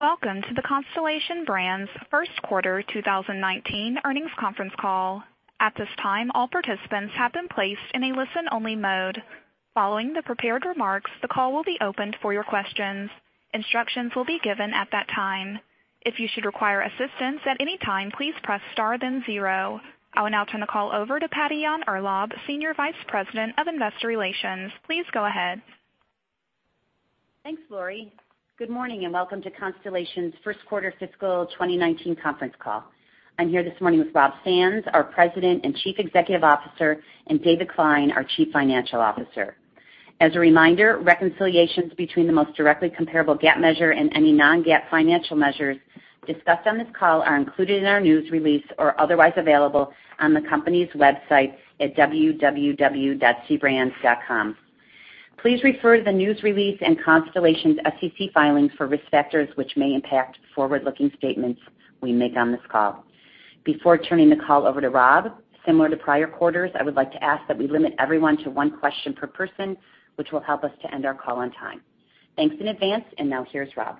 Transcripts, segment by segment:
Welcome to the Constellation Brands first quarter 2019 earnings conference call. At this time, all participants have been placed in a listen-only mode. Following the prepared remarks, the call will be opened for your questions. Instructions will be given at that time. If you should require assistance at any time, please press star then zero. I will now turn the call over to Patty Yahn-Urlaub, Senior Vice President of Investor Relations. Please go ahead. Thanks, Lori. Good morning and welcome to Constellation's first quarter fiscal 2019 conference call. I'm here this morning with Rob Sands, our President and Chief Executive Officer, and David Klein, our Chief Financial Officer. As a reminder, reconciliations between the most directly comparable GAAP measure and any non-GAAP financial measures discussed on this call are included in our news release or otherwise available on the company's website at www.cbrands.com. Please refer to the news release and Constellation's SEC filings for risk factors which may impact forward-looking statements we make on this call. Before turning the call over to Rob, similar to prior quarters, I would like to ask that we limit everyone to one question per person, which will help us to end our call on time. Thanks in advance, and now here's Rob.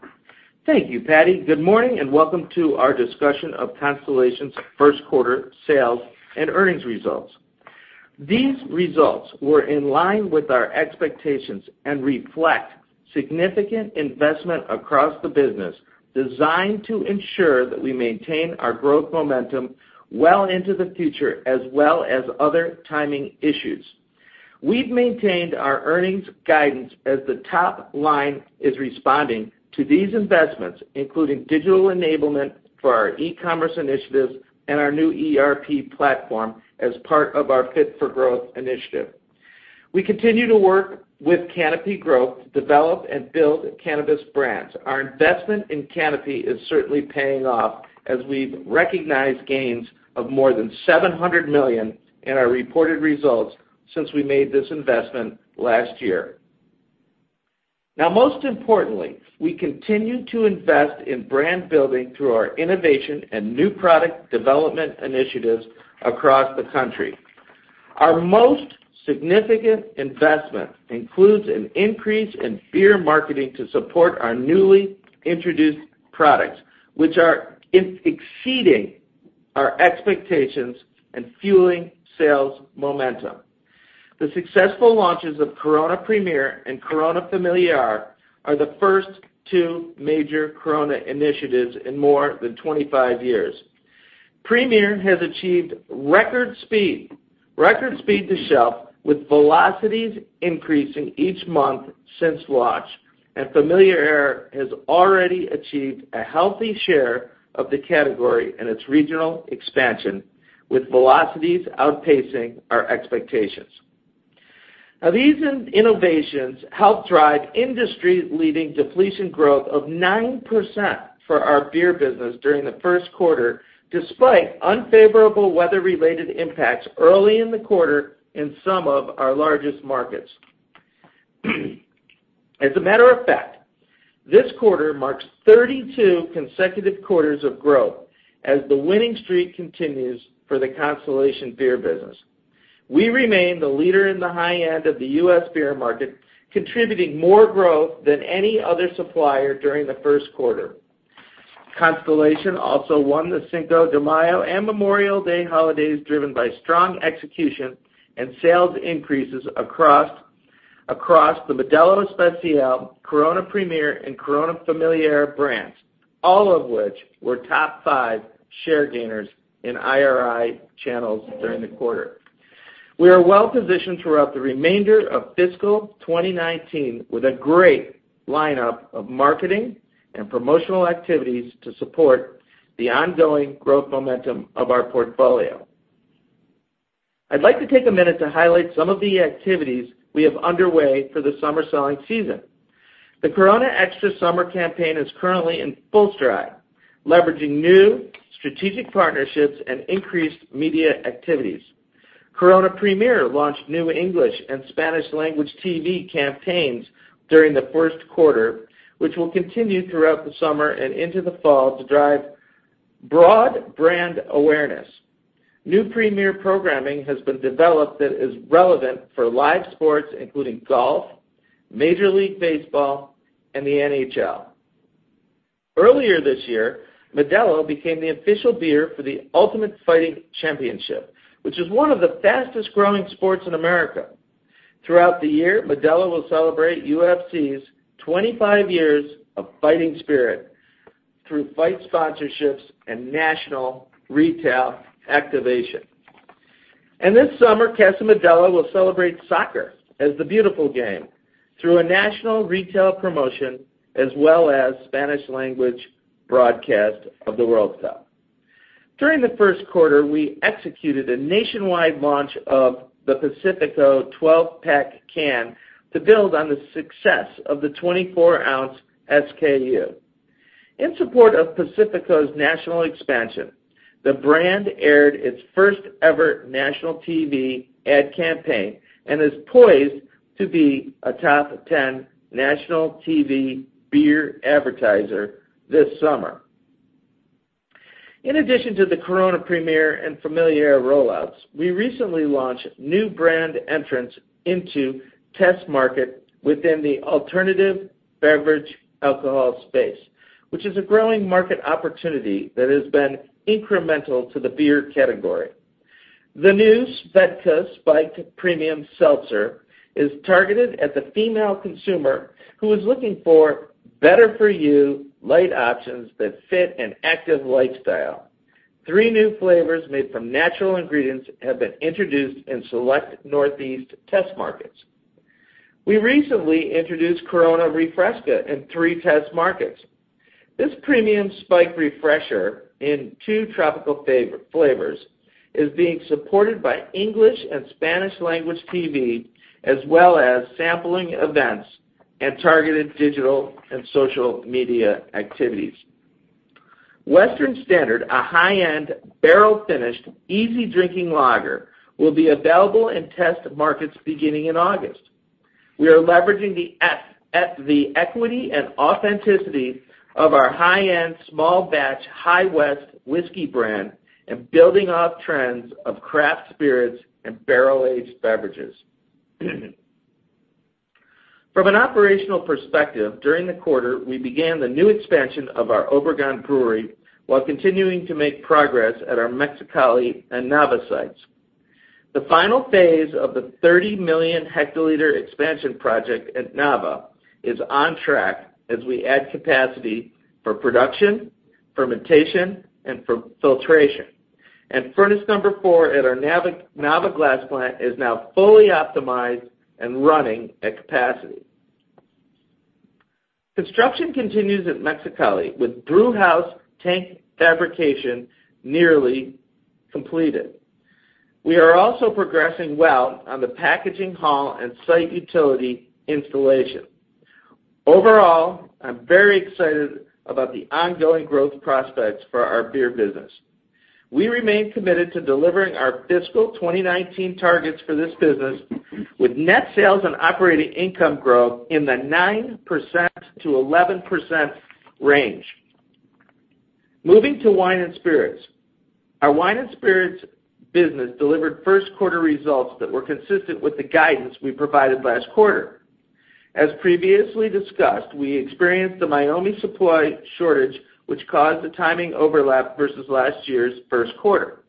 Thank you, Patty. Good morning and welcome to our discussion of Constellation's first quarter sales and earnings results. These results were in line with our expectations and reflect significant investment across the business designed to ensure that we maintain our growth momentum well into the future, as well as other timing issues. We've maintained our earnings guidance as the top line is responding to these investments, including digital enablement for our e-commerce initiatives and our new ERP platform as part of our Fit for Growth initiative. We continue to work with Canopy Growth to develop and build cannabis brands. Our investment in Canopy is certainly paying off as we've recognized gains of more than $700 million in our reported results since we made this investment last year. Most importantly, we continue to invest in brand building through our innovation and new product development initiatives across the country. Our most significant investment includes an increase in beer marketing to support our newly introduced products, which are exceeding our expectations and fueling sales momentum. The successful launches of Corona Premier and Corona Familiar are the first two major Corona initiatives in more than 25 years. Premier has achieved record speed to shelf, with velocities increasing each month since launch, and Familiar has already achieved a healthy share of the category in its regional expansion, with velocities outpacing our expectations. These innovations help drive industry-leading depletion growth of 9% for our beer business during the first quarter, despite unfavorable weather-related impacts early in the quarter in some of our largest markets. As a matter of fact, this quarter marks 32 consecutive quarters of growth as the winning streak continues for the Constellation beer business. We remain the leader in the high end of the U.S. beer market, contributing more growth than any other supplier during the first quarter. Constellation also won the Cinco de Mayo and Memorial Day holidays, driven by strong execution and sales increases across the Modelo Especial, Corona Premier, and Corona Familiar brands, all of which were top five share gainers in IRI channels during the quarter. We are well positioned throughout the remainder of fiscal 2019 with a great lineup of marketing and promotional activities to support the ongoing growth momentum of our portfolio. I'd like to take a minute to highlight some of the activities we have underway for the summer selling season. The Corona Extra summer campaign is currently in full stride, leveraging new strategic partnerships and increased media activities. Corona Premier launched new English and Spanish language TV campaigns during the first quarter, which will continue throughout the summer and into the fall to drive broad brand awareness. New Premier programming has been developed that is relevant for live sports, including golf, Major League Baseball, and the NHL. Earlier this year, Modelo became the official beer for the Ultimate Fighting Championship, which is one of the fastest-growing sports in America. Throughout the year, Modelo will celebrate UFC's 25 years of fighting spirit through fight sponsorships and national retail activation. This summer, Casa Modelo will celebrate soccer as the beautiful game through a national retail promotion, as well as Spanish language broadcast of the World Cup. During the first quarter, we executed a nationwide launch of the Pacifico 12-pack can to build on the success of the 24-ounce SKU. In support of Pacifico's national expansion, the brand aired its first-ever national TV ad campaign and is poised to be a top 10 national TV beer advertiser this summer. In addition to the Corona Premier and Familiar rollouts, we recently launched new brand entrants into test market within the alternative beverage alcohol space, which is a growing market opportunity that has been incremental to the beer category. The new SVEDKA Spiked Premium Seltzer is targeted at the female consumer who is looking for better-for-you light options that fit an active lifestyle. Three new flavors made from natural ingredients have been introduced in select Northeast test markets. We recently introduced Corona Refresca in three test markets. This premium spiked refresher in two tropical flavors is being supported by English and Spanish language TV, as well as sampling events and targeted digital and social media activities. Western Standard, a high-end barrel-finished, easy-drinking lager, will be available in test markets beginning in August. We are leveraging the equity and authenticity of our high-end, small-batch High West whiskey brand and building off trends of craft spirits and barrel-aged beverages. From an operational perspective, during the quarter, we began the new expansion of our Obregon brewery while continuing to make progress at our Mexicali and Nava sites. The final phase of the 30 million hectoliter expansion project at Nava is on track as we add capacity for production, fermentation, and filtration. Furnace number 4 at our Nava glass plant is now fully optimized and running at capacity. Construction continues at Mexicali, with brewhouse tank fabrication nearly completed. We are also progressing well on the packaging hall and site utility installation. Overall, I'm very excited about the ongoing growth prospects for our beer business. We remain committed to delivering our fiscal 2019 targets for this business, with net sales and operating income growth in the 9%-11% range. Moving to wine and spirits. Our wine and spirits business delivered first quarter results that were consistent with the guidance we provided last quarter. As previously discussed, we experienced the Meiomi supply shortage, which caused a timing overlap versus last year's first quarter.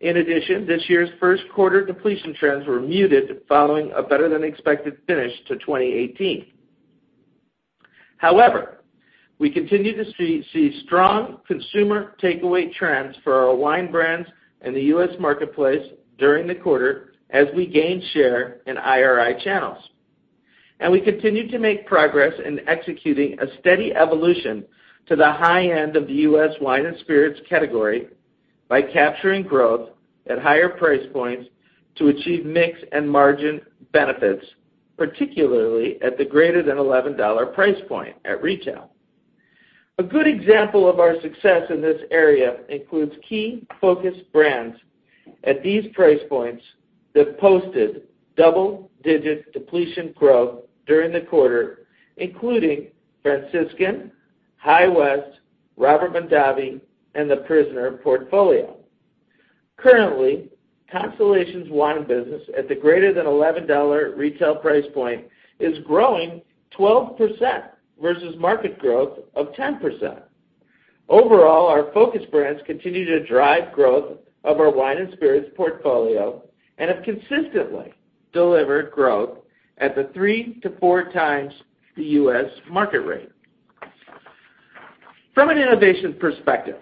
In addition, this year's first quarter depletion trends were muted following a better-than-expected finish to 2018. However, we continue to see strong consumer takeaway trends for our wine brands in the U.S. marketplace during the quarter as we gain share in IRI channels. We continue to make progress in executing a steady evolution to the high end of the U.S. wine and spirits category by capturing growth at higher price points to achieve mix and margin benefits, particularly at the greater than $11 price point at retail. A good example of our success in this area includes key focus brands at these price points that posted double-digit depletion growth during the quarter, including Franciscan, High West, Robert Mondavi, and The Prisoner portfolio. Currently, Constellation's wine business at the greater than $11 retail price point is growing 12% versus market growth of 10%. Overall, our focus brands continue to drive growth of our wine and spirits portfolio and have consistently delivered growth at the three to four times the U.S. market rate. From an innovation perspective,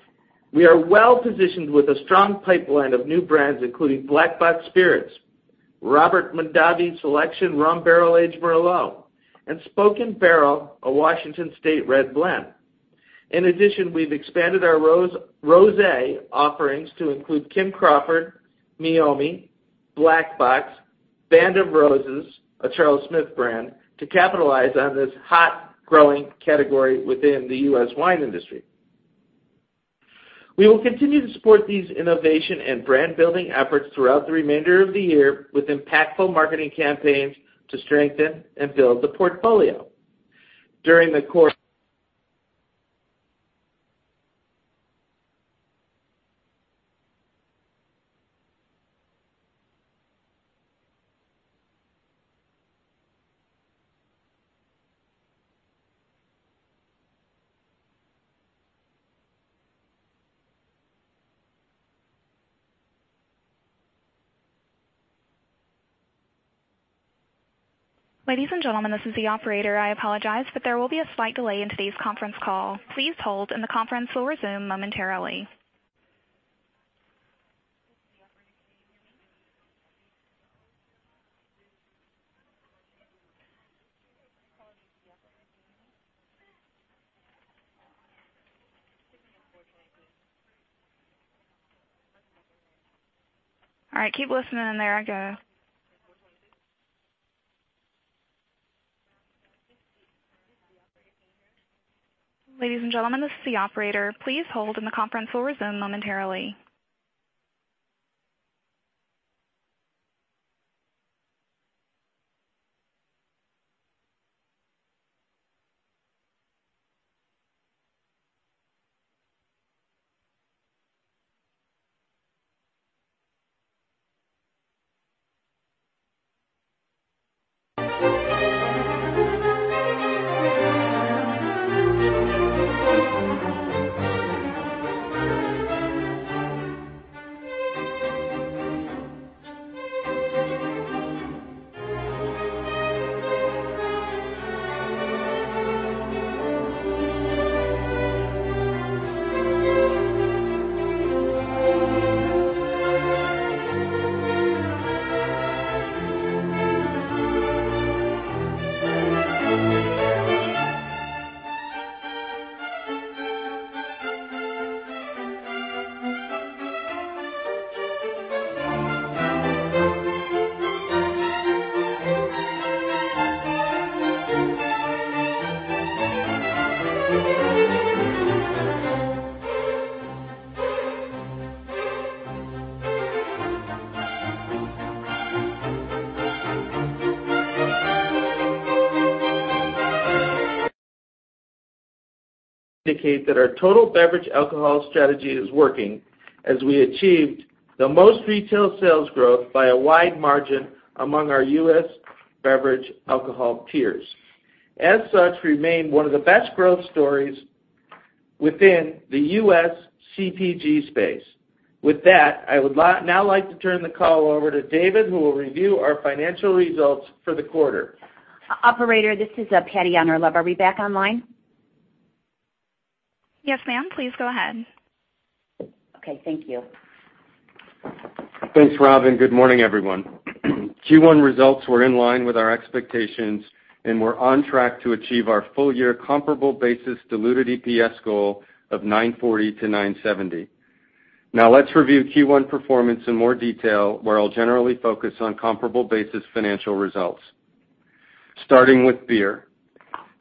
we are well-positioned with a strong pipeline of new brands, including Black Box Spirits, Robert Mondavi Private Selection Rum Barrel-Aged Merlot, and Spoken Barrel, a Washington State red blend. In addition, we've expanded our rosé offerings to include Kim Crawford, Meiomi, Black Box, Band of Roses, a Charles Smith brand, to capitalize on this hot, growing category within the U.S. wine industry. We will continue to support these innovation and brand-building efforts throughout the remainder of the year with impactful marketing campaigns to strengthen and build the portfolio. Ladies and gentlemen, this is the operator. I apologize, but there will be a slight delay in today's conference call. Please hold and the conference will resume momentarily. Ladies and gentlemen, this is the operator. Please hold and the conference will resume momentarily. Indicate that our total beverage alcohol strategy is working as we achieved the most retail sales growth by a wide margin among our U.S. beverage alcohol peers. As such, remain one of the best growth stories within the U.S. CPG space. With that, I would now like to turn the call over to David, who will review our financial results for the quarter. Operator, this is Patty Yahn-Urlaub. Are we back online? Yes, ma'am. Please go ahead. Okay. Thank you. Thanks, Rob, and good morning, everyone. Q1 results were in line with our expectations, and we are on track to achieve our full-year comparable basis diluted EPS goal of $9.40-$9.70. Let's review Q1 performance in more detail, where I will generally focus on comparable basis financial results. Starting with beer.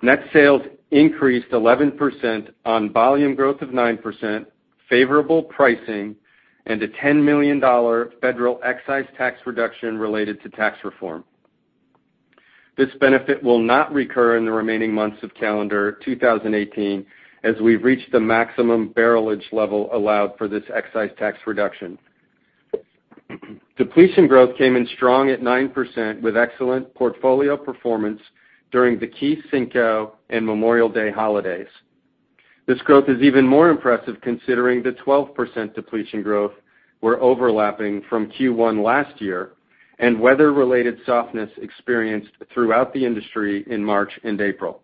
Net sales increased 11% on volume growth of 9%, favorable pricing, and a $10 million federal excise tax reduction related to tax reform. This benefit will not recur in the remaining months of calendar 2018, as we have reached the maximum barrelage level allowed for this excise tax reduction. Depletion growth came in strong at 9% with excellent portfolio performance during the key Cinco and Memorial Day holidays. This growth is even more impressive considering the 12% depletion growth we are overlapping from Q1 last year and weather-related softness experienced throughout the industry in March and April.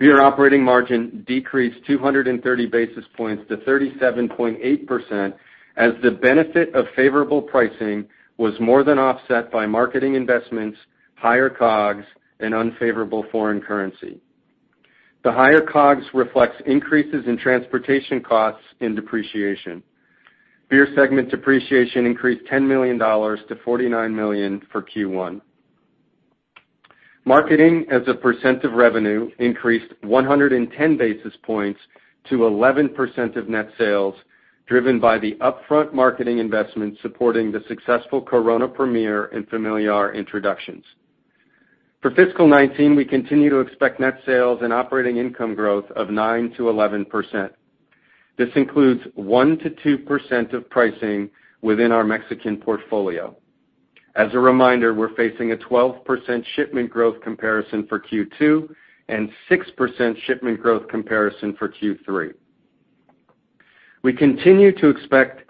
Beer operating margin decreased 230 basis points to 37.8% as the benefit of favorable pricing was more than offset by marketing investments, higher COGS, and unfavorable foreign currency. The higher COGS reflects increases in transportation costs and depreciation. Beer segment depreciation increased $10 million to $49 million for Q1. Marketing as a percent of revenue increased 110 basis points to 11% of net sales, driven by the upfront marketing investment supporting the successful Corona Premier and Familiar introductions. For fiscal 2019, we continue to expect net sales and operating income growth of 9%-11%. This includes 1%-2% of pricing within our Mexican portfolio. As a reminder, we are facing a 12% shipment growth comparison for Q2 and 6% shipment growth comparison for Q3. We continue to expect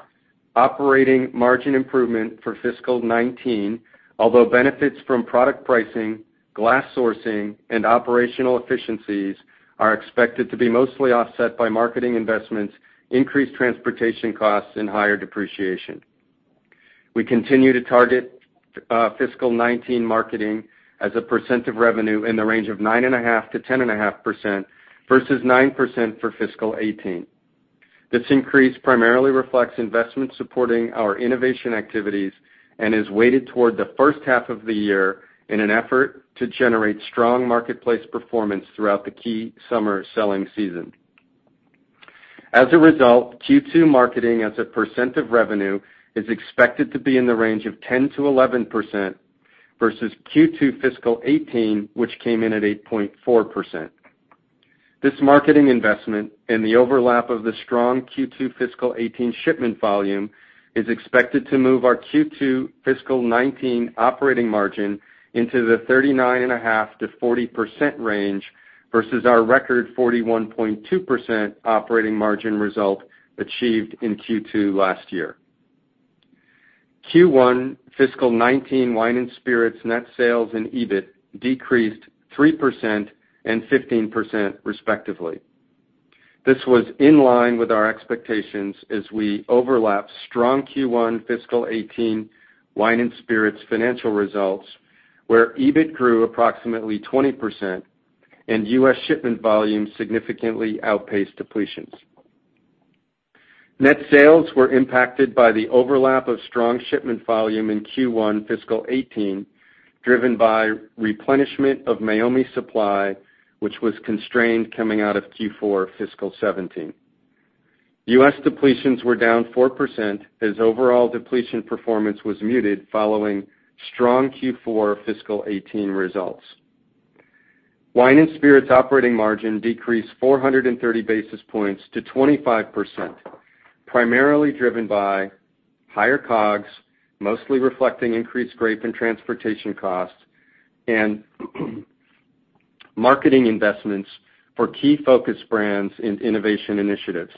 operating margin improvement for fiscal 2019, although benefits from product pricing, glass sourcing, and operational efficiencies are expected to be mostly offset by marketing investments, increased transportation costs, and higher depreciation. We continue to target fiscal 2019 marketing as a percent of revenue in the range of 9.5%-10% versus 9% for fiscal 2018. This increase primarily reflects investment supporting our innovation activities and is weighted toward the first half of the year in an effort to generate strong marketplace performance throughout the key summer selling season. As a result, Q2 marketing as a percent of revenue is expected to be in the range of 10%-11% versus Q2 fiscal 2018, which came in at 8.4%. This marketing investment and the overlap of the strong Q2 fiscal 2018 shipment volume is expected to move our Q2 fiscal 2019 operating margin into the 39.5%-40% range versus our record 41.2% operating margin result achieved in Q2 last year. Q1 fiscal 2019 wine and spirits net sales and EBIT decreased 3% and 15% respectively. This was in line with our expectations as we overlap strong Q1 fiscal 2018 wine and spirits financial results, where EBIT grew approximately 20% and U.S. shipment volume significantly outpaced depletions. Net sales were impacted by the overlap of strong shipment volume in Q1 fiscal 2018, driven by replenishment of Meiomi supply, which was constrained coming out of Q4 fiscal 2017. U.S. depletions were down 4%, as overall depletion performance was muted following strong Q4 fiscal 2018 results. Wine and spirits operating margin decreased 430 basis points to 25%, primarily driven by higher COGS, mostly reflecting increased grape and transportation costs, and marketing investments for key focus brands in innovation initiatives.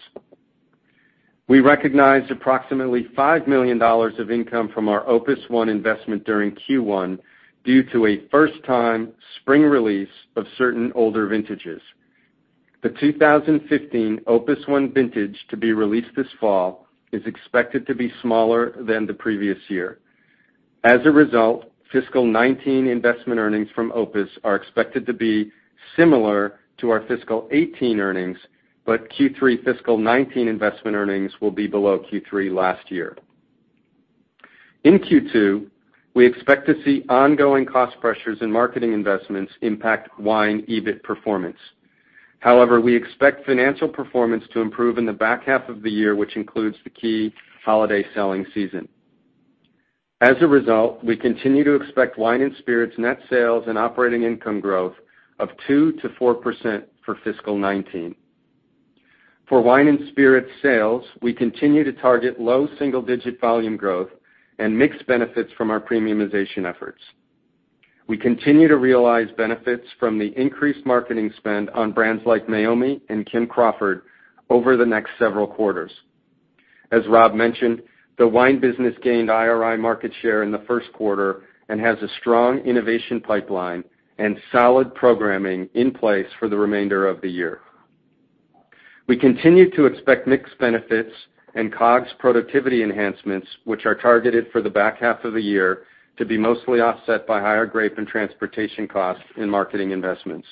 We recognized approximately $5 million of income from our Opus One investment during Q1 due to a first-time spring release of certain older vintages. The 2015 Opus One vintage to be released this fall is expected to be smaller than the previous year. As a result, fiscal 2019 investment earnings from Opus are expected to be similar to our fiscal 2018 earnings, but Q3 fiscal 2019 investment earnings will be below Q3 last year. In Q2, we expect to see ongoing cost pressures and marketing investments impact wine EBIT performance. We expect financial performance to improve in the back half of the year, which includes the key holiday selling season. We continue to expect wine and spirits net sales and operating income growth of 2%-4% for fiscal 2019. For wine and spirits sales, we continue to target low single-digit volume growth and mixed benefits from our premiumization efforts. We continue to realize benefits from the increased marketing spend on brands like Meiomi and Kim Crawford over the next several quarters. As Rob mentioned, the wine business gained IRI market share in the first quarter and has a strong innovation pipeline and solid programming in place for the remainder of the year. We continue to expect mixed benefits and COGS productivity enhancements, which are targeted for the back half of the year, to be mostly offset by higher grape and transportation costs in marketing investments.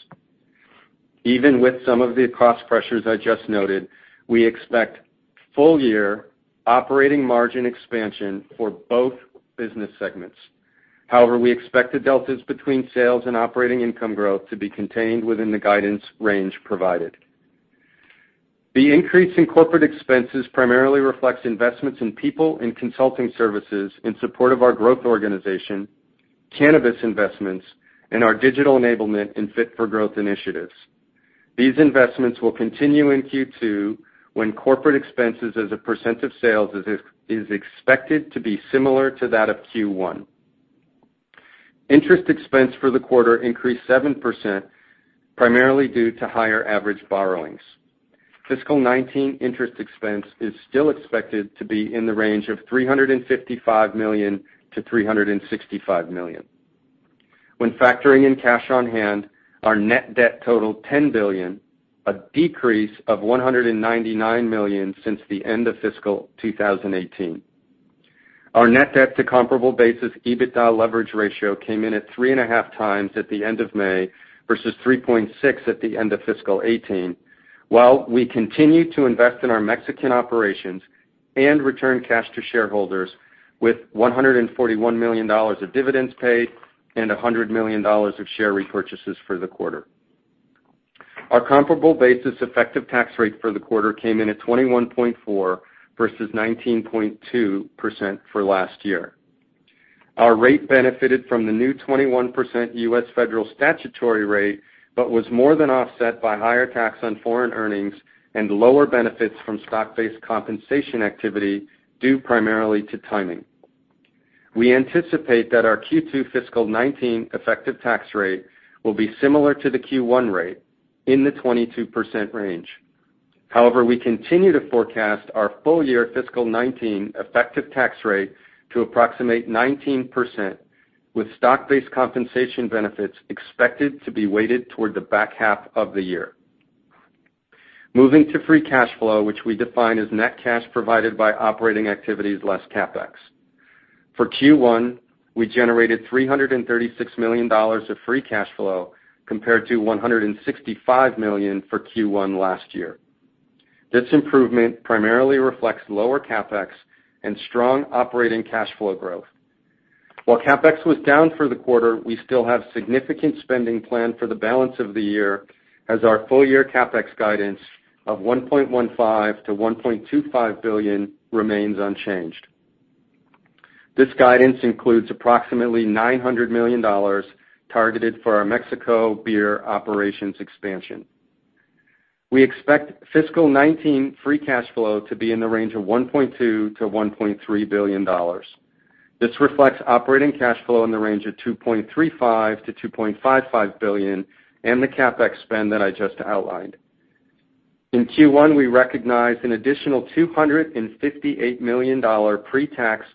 Even with some of the cost pressures I just noted, we expect full-year operating margin expansion for both business segments. We expect the deltas between sales and operating income growth to be contained within the guidance range provided. The increase in corporate expenses primarily reflects investments in people and consulting services in support of our growth organization, cannabis investments, and our digital enablement and Fit for Growth initiatives. These investments will continue in Q2, when corporate expenses as a percent of sales is expected to be similar to that of Q1. Interest expense for the quarter increased 7%, primarily due to higher average borrowings. Fiscal 2019 interest expense is still expected to be in the range of $355 million-$365 million. When factoring in cash on hand, our net debt totaled $10 billion, a decrease of $199 million since the end of fiscal 2018. Our net debt to comparable basis, EBITDA leverage ratio came in at 3.5 times at the end of May, versus 3.6 at the end of fiscal 2018, while we continue to invest in our Mexican operations and return cash to shareholders with $141 million of dividends paid and $100 million of share repurchases for the quarter. Our comparable basis effective tax rate for the quarter came in at 21.4% versus 19.2% for last year. Our rate benefited from the new 21% U.S. federal statutory rate, but was more than offset by higher tax on foreign earnings and lower benefits from stock-based compensation activity due primarily to timing. We anticipate that our Q2 fiscal 2019 effective tax rate will be similar to the Q1 rate, in the 22% range. We continue to forecast our full-year fiscal 2019 effective tax rate to approximate 19%, with stock-based compensation benefits expected to be weighted toward the back half of the year. Moving to free cash flow, which we define as net cash provided by operating activities less CapEx. For Q1, we generated $336 million of free cash flow compared to $165 million for Q1 last year. This improvement primarily reflects lower CapEx and strong operating cash flow growth. While CapEx was down for the quarter, we still have significant spending planned for the balance of the year, as our full-year CapEx guidance of $1.15 billion-$1.25 billion remains unchanged. This guidance includes approximately $900 million targeted for our Mexico beer operations expansion. We expect fiscal 2019 free cash flow to be in the range of $1.2 billion-$1.3 billion. This reflects operating cash flow in the range of $2.35 billion-$2.55 billion and the CapEx spend that I just outlined. In Q1, we recognized an additional $258 million pre-tax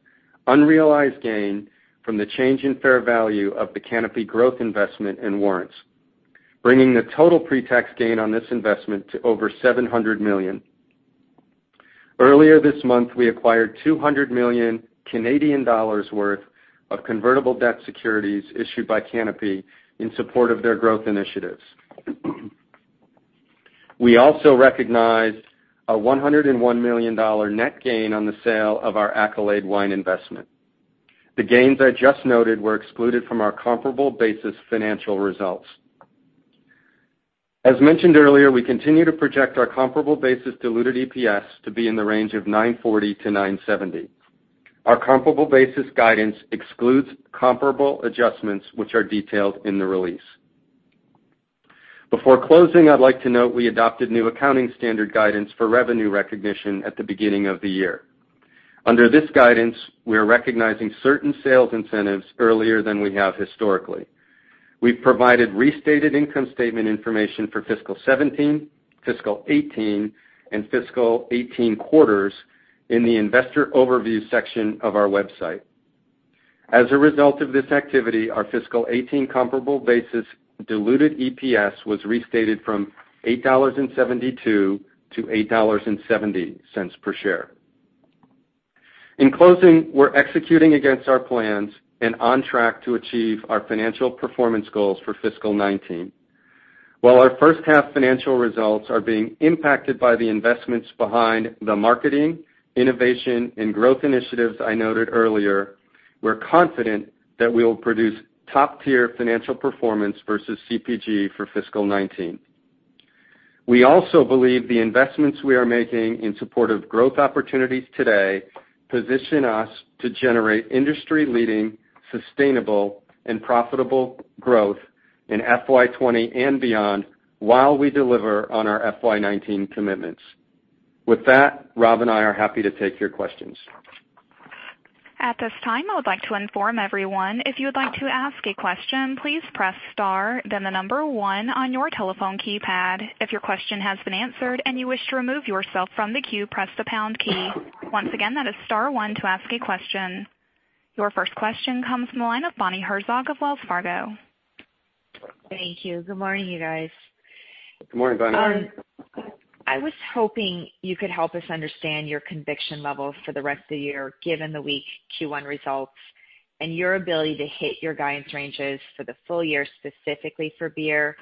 unrealized gain from the change in fair value of the Canopy Growth investment and warrants, bringing the total pre-tax gain on this investment to over $700 million. Earlier this month, we acquired 200 million Canadian dollars worth of convertible debt securities issued by Canopy in support of their growth initiatives. We also recognized a $101 million net gain on the sale of our Accolade wine investment. The gains I just noted were excluded from our comparable basis financial results. As mentioned earlier, we continue to project our comparable basis diluted EPS to be in the range of $9.40-$9.70. Our comparable basis guidance excludes comparable adjustments, which are detailed in the release. Before closing, I would like to note we adopted new accounting standard guidance for revenue recognition at the beginning of the year. Under this guidance, we are recognizing certain sales incentives earlier than we have historically. We have provided restated income statement information for fiscal 2017, fiscal 2018, and fiscal 2018 quarters in the investor overview section of our website. As a result of this activity, our fiscal 2018 comparable basis diluted EPS was restated from $8.72 to $8.70 per share. In closing, we are executing against our plans and on track to achieve our financial performance goals for fiscal 2019. While our first half financial results are being impacted by the investments behind the marketing, innovation, and growth initiatives I noted earlier, we are confident that we will produce top-tier financial performance versus CPG for fiscal 2019. We also believe the investments we are making in support of growth opportunities today position us to generate industry-leading, sustainable, and profitable growth in FY 2020 and beyond while we deliver on our FY 2019 commitments. With that, Rob and I are happy to take your questions. At this time, I would like to inform everyone if you would like to ask a question, please press star, then one on your telephone keypad. If your question has been answered and you wish to remove yourself from the queue, press the pound key. Once again, that is star one to ask a question. Your first question comes from the line of Bonnie Herzog of Wells Fargo. Thank you. Good morning, you guys. Good morning, Bonnie. I was hoping you could help us understand your conviction levels for the rest of the year, given the weak Q1 results and your ability to hit your guidance ranges for the full year, specifically for beer.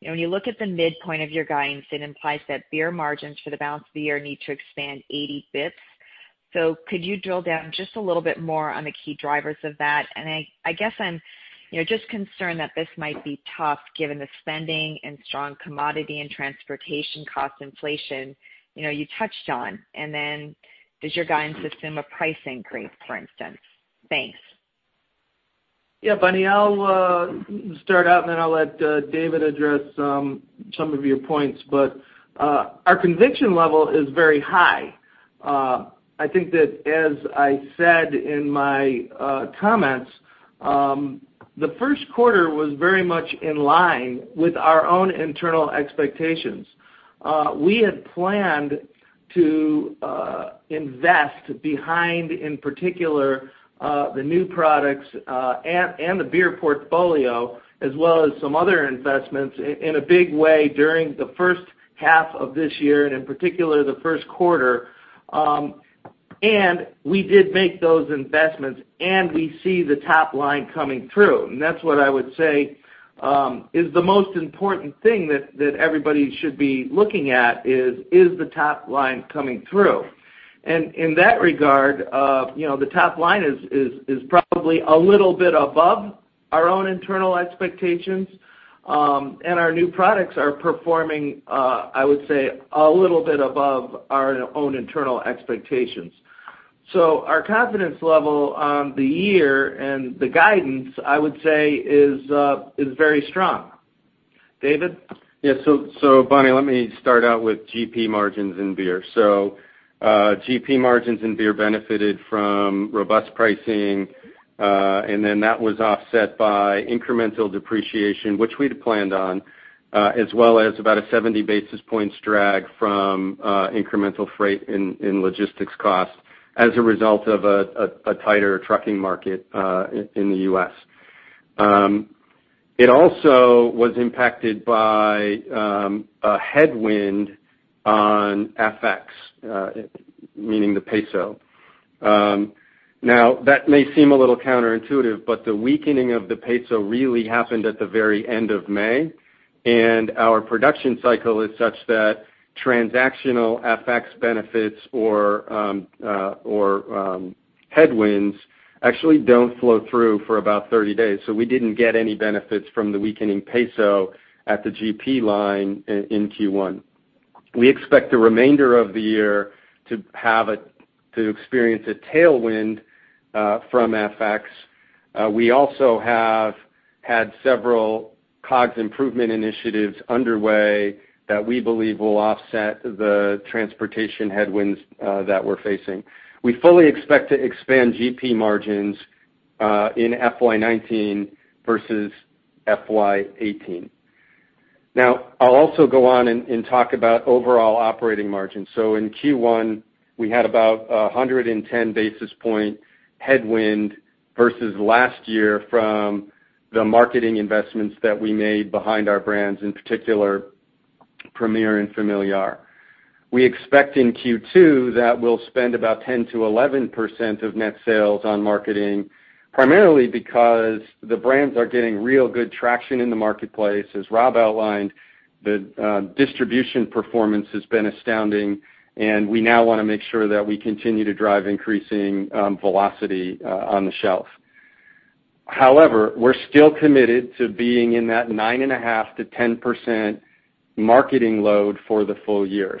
When you look at the midpoint of your guidance, it implies that beer margins for the balance of the year need to expand 80 basis points. Could you drill down just a little bit more on the key drivers of that? I guess I'm just concerned that this might be tough given the spending and strong commodity and transportation cost inflation you touched on. Does your guidance assume a price increase, for instance? Thanks. Yeah, Bonnie, I'll start out and then I'll let David address some of your points. Our conviction level is very high. I think that as I said in my comments, the first quarter was very much in line with our own internal expectations. We had planned to invest behind, in particular, the new products and the beer portfolio, as well as some other investments in a big way during the first half of this year, and in particular, the first quarter. We did make those investments, and we see the top line coming through. That's what I would say is the most important thing that everybody should be looking at is the top line coming through? In that regard, the top line is probably a little bit above our own internal expectations. Our new products are performing, I would say, a little bit above our own internal expectations. Our confidence level on the year and the guidance, I would say, is very strong. David? Bonnie, let me start out with GP margins in beer. GP margins in beer benefited from robust pricing, and then that was offset by incremental depreciation, which we'd planned on, as well as about a 70 basis points drag from incremental freight and logistics costs as a result of a tighter trucking market in the U.S. It also was impacted by a headwind on FX, meaning the peso. That may seem a little counterintuitive, but the weakening of the peso really happened at the very end of May, and our production cycle is such that transactional FX benefits or headwinds actually don't flow through for about 30 days. We didn't get any benefits from the weakening peso at the GP line in Q1. We expect the remainder of the year to experience a tailwind from FX. We also have had several COGS improvement initiatives underway that we believe will offset the transportation headwinds that we're facing. We fully expect to expand GP margins in FY 2019 versus FY 2018. I'll also go on and talk about overall operating margins. In Q1, we had about 110 basis point headwind versus last year from the marketing investments that we made behind our brands, in particular Corona Premier and Corona Familiar. We expect in Q2 that we'll spend about 10%-11% of net sales on marketing, primarily because the brands are getting real good traction in the marketplace. As Rob outlined, the distribution performance has been astounding, and we now want to make sure that we continue to drive increasing velocity on the shelf. However, we're still committed to being in that 9.5%-10% marketing load for the full year.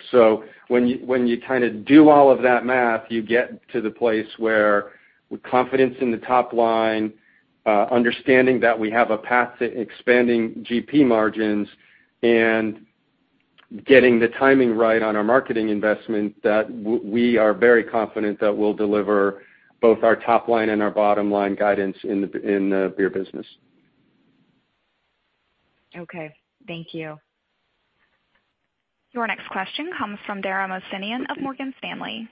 When you do all of that math, you get to the place where with confidence in the top line, understanding that we have a path to expanding GP margins, and getting the timing right on our marketing investment, that we are very confident that we'll deliver both our top line and our bottom-line guidance in the beer business. Okay. Thank you. Your next question comes from Dara Mohsenian of Morgan Stanley.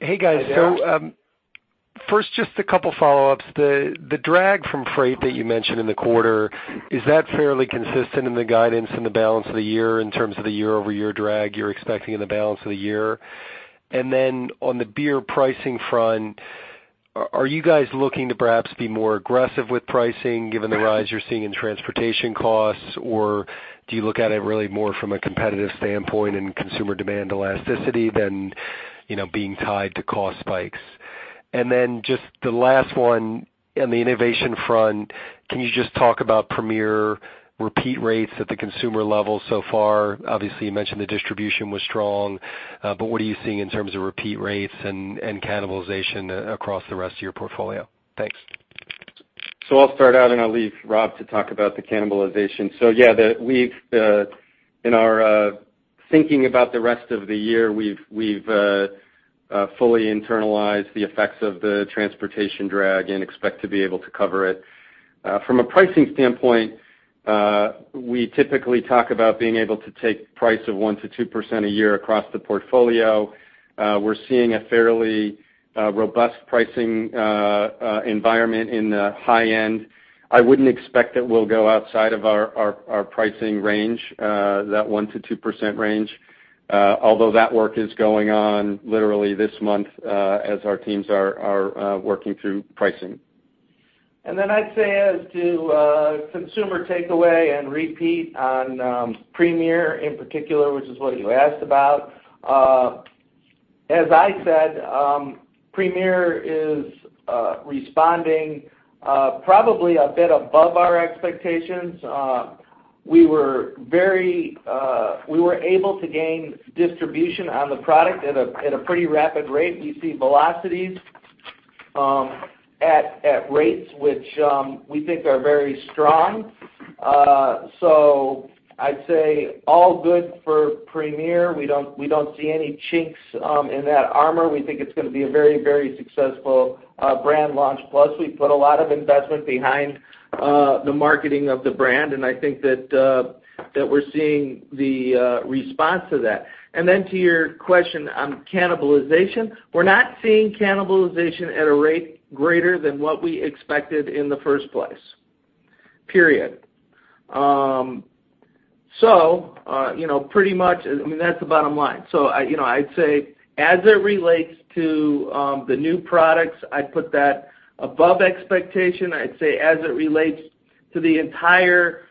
Hey, guys. Hi, Dara. First, just a couple follow-ups. The drag from freight that you mentioned in the quarter, is that fairly consistent in the guidance in the balance of the year in terms of the year-over-year drag you're expecting in the balance of the year? On the beer pricing front, are you guys looking to perhaps be more aggressive with pricing given the rise you're seeing in transportation costs, or do you look at it really more from a competitive standpoint and consumer demand elasticity than being tied to cost spikes? Just the last one, on the innovation front, can you just talk about Premier repeat rates at the consumer level so far? Obviously, you mentioned the distribution was strong, but what are you seeing in terms of repeat rates and cannibalization across the rest of your portfolio? Thanks. I'll start out, and I'll leave Rob to talk about the cannibalization. In our thinking about the rest of the year, we've fully internalized the effects of the transportation drag and expect to be able to cover it. From a pricing standpoint, we typically talk about being able to take price of 1%-2% a year across the portfolio. We're seeing a fairly robust pricing environment in the high end. I wouldn't expect that we'll go outside of our pricing range, that 1%-2% range. Although that work is going on literally this month, as our teams are working through pricing. I'd say as to consumer takeaway and repeat on Corona Premier in particular, which is what you asked about. As I said, Corona Premier is responding probably a bit above our expectations. We were able to gain distribution on the product at a pretty rapid rate. We see velocities at rates which we think are very strong. I'd say all good for Corona Premier. We don't see any chinks in that armor. We think it's going to be a very, very successful brand launch. Plus, we put a lot of investment behind the marketing of the brand, and I think that we're seeing the response to that. To your question on cannibalization, we're not seeing cannibalization at a rate greater than what we expected in the first place, period. Pretty much, that's the bottom line. I'd say as it relates to the new products, I'd put that above expectation. I'd say as it relates to the entire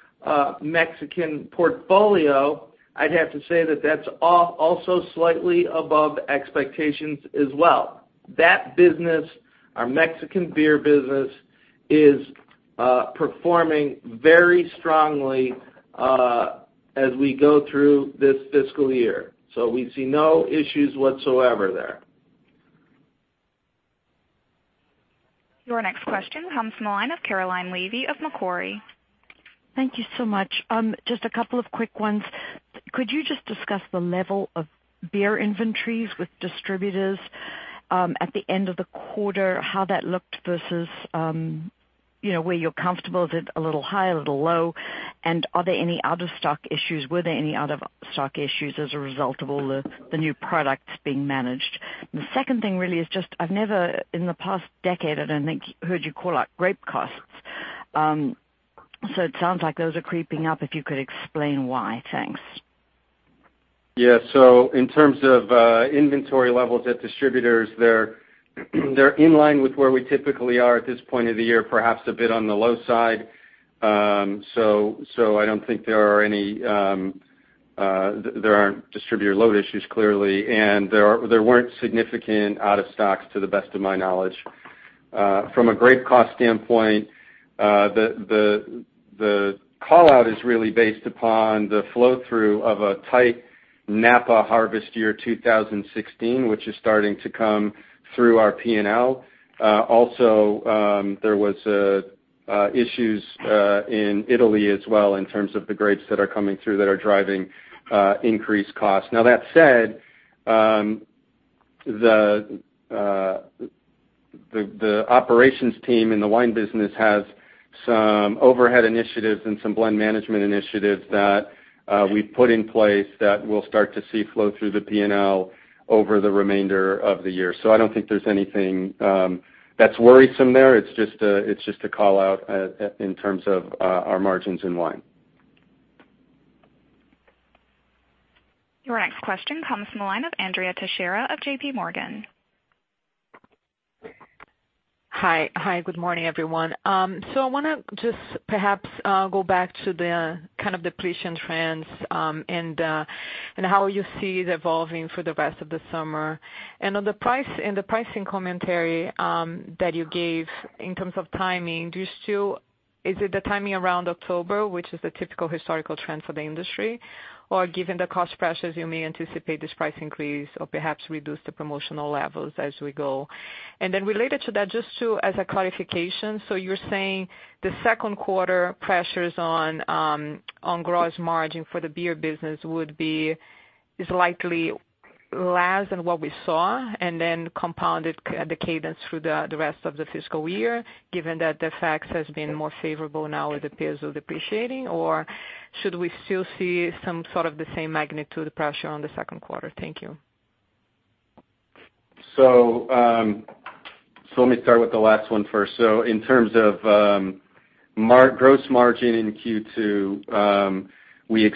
Mexican portfolio, I'd have to say that that's also slightly above expectations as well. That business, our Mexican beer business, is performing very strongly as we go through this fiscal year. We see no issues whatsoever there. Your next question comes from the line of Caroline Levy of Macquarie. Thank you so much. Just a couple of quick ones. Could you just discuss the level of beer inventories with distributors at the end of the quarter, how that looked versus where you're comfortable? Is it a little high, a little low? Are there any out-of-stock issues? Were there any out-of-stock issues as a result of all the new products being managed? The second thing really is just, I've never in the past decade, I don't think, heard you call out grape costs. It sounds like those are creeping up, if you could explain why. Thanks. Yeah. In terms of inventory levels at distributors, they're in line with where we typically are at this point of the year, perhaps a bit on the low side. I don't think there aren't distributor load issues, clearly, and there weren't significant out of stocks to the best of my knowledge. From a grape cost standpoint, the call-out is really based upon the flow-through of a tight Napa harvest year 2016, which is starting to come through our P&L. There was issues in Italy as well in terms of the grapes that are coming through that are driving increased costs. Now, that said, the operations team in the wine business has some overhead initiatives and some blend management initiatives that we've put in place that we'll start to see flow through the P&L over the remainder of the year. I don't think there's anything that's worrisome there. It's just a call-out in terms of our margins in wine. Your next question comes from the line of Andrea Teixeira of JPMorgan. Hi. Good morning, everyone. I want to just perhaps go back to the kind of depletion trends, how you see it evolving for the rest of the summer. On the price and the pricing commentary that you gave in terms of timing, is it the timing around October, which is the typical historical trend for the industry? Given the cost pressures, you may anticipate this price increase or perhaps reduce the promotional levels as we go? Related to that, just as a clarification, you're saying the second quarter pressures on gross margin for the beer business is likely less than what we saw, then compounded the cadence through the rest of the fiscal year, given that the FX has been more favorable now with the peso depreciating? Should we still see some sort of the same magnitude pressure on the second quarter? Thank you. Let me start with the last one first. In terms of gross margin in Q2, we'll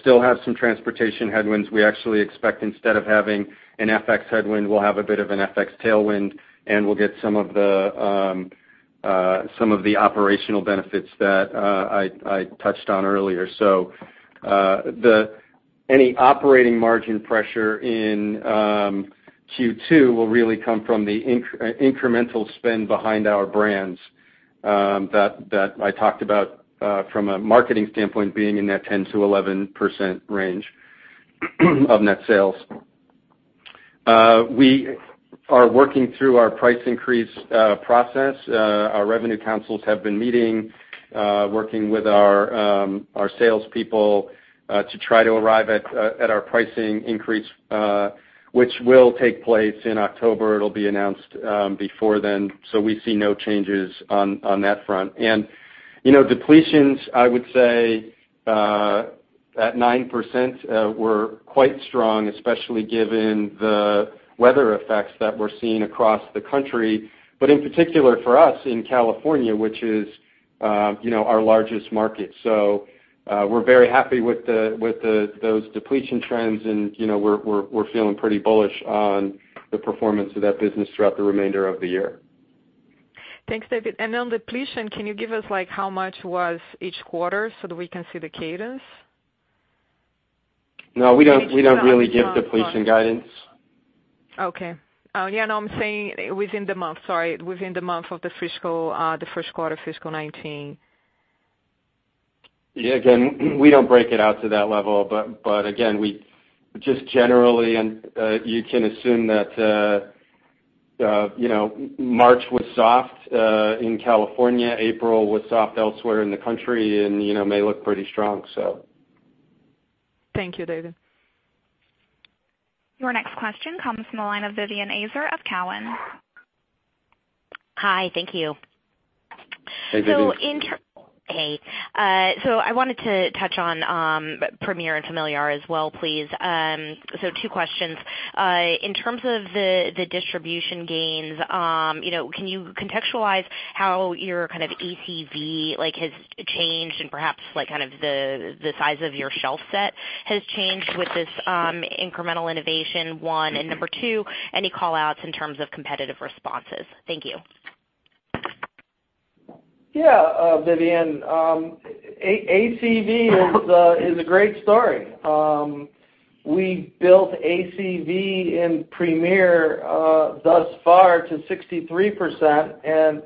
still have some transportation headwinds. We actually expect instead of having an FX headwind, we'll have a bit of an FX tailwind, and we'll get some of the operational benefits that I touched on earlier. Any operating margin pressure in Q2 will really come from the incremental spend behind our brands, that I talked about, from a marketing standpoint, being in that 10%-11% range of net sales. We are working through our price increase process. Our revenue councils have been meeting, working with our salespeople, to try to arrive at our pricing increase, which will take place in October. It'll be announced before then. We see no changes on that front. Depletions, I would say, at 9%, were quite strong, especially given the weather effects that we're seeing across the country, but in particular for us in California, which is our largest market. We're very happy with those depletion trends and we're feeling pretty bullish on the performance of that business throughout the remainder of the year. Thanks, David. On depletion, can you give us how much was each quarter so that we can see the cadence? No, we don't really give depletion guidance. Okay. Yeah, no, I'm saying within the month, sorry, within the month of the first quarter, fiscal 2019. Yeah, again, we don't break it out to that level. Again, just generally, you can assume that March was soft, in California, April was soft elsewhere in the country, and May looked pretty strong. Thank you, David. Your next question comes from the line of Vivien Azer of Cowen. Hi. Thank you. Hey, Vivien. I wanted to touch on Premier and Familiar as well, please. Two questions. In terms of the distribution gains, can you contextualize how your ACV has changed and perhaps the size of your shelf set has changed with this incremental innovation, one? Number two, any callouts in terms of competitive responses? Thank you. Vivien, ACV is a great story. We built ACV in Premier, thus far to 63%, and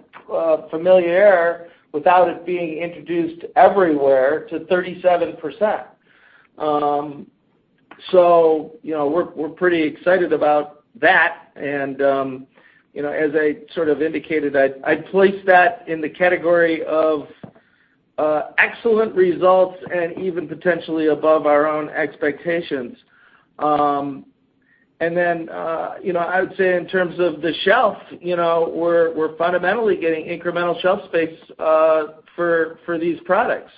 Familiar, without it being introduced everywhere, to 37%. We're pretty excited about that. As I sort of indicated, I'd place that in the category of excellent results and even potentially above our own expectations. I would say in terms of the shelf, we're fundamentally getting incremental shelf space for these products,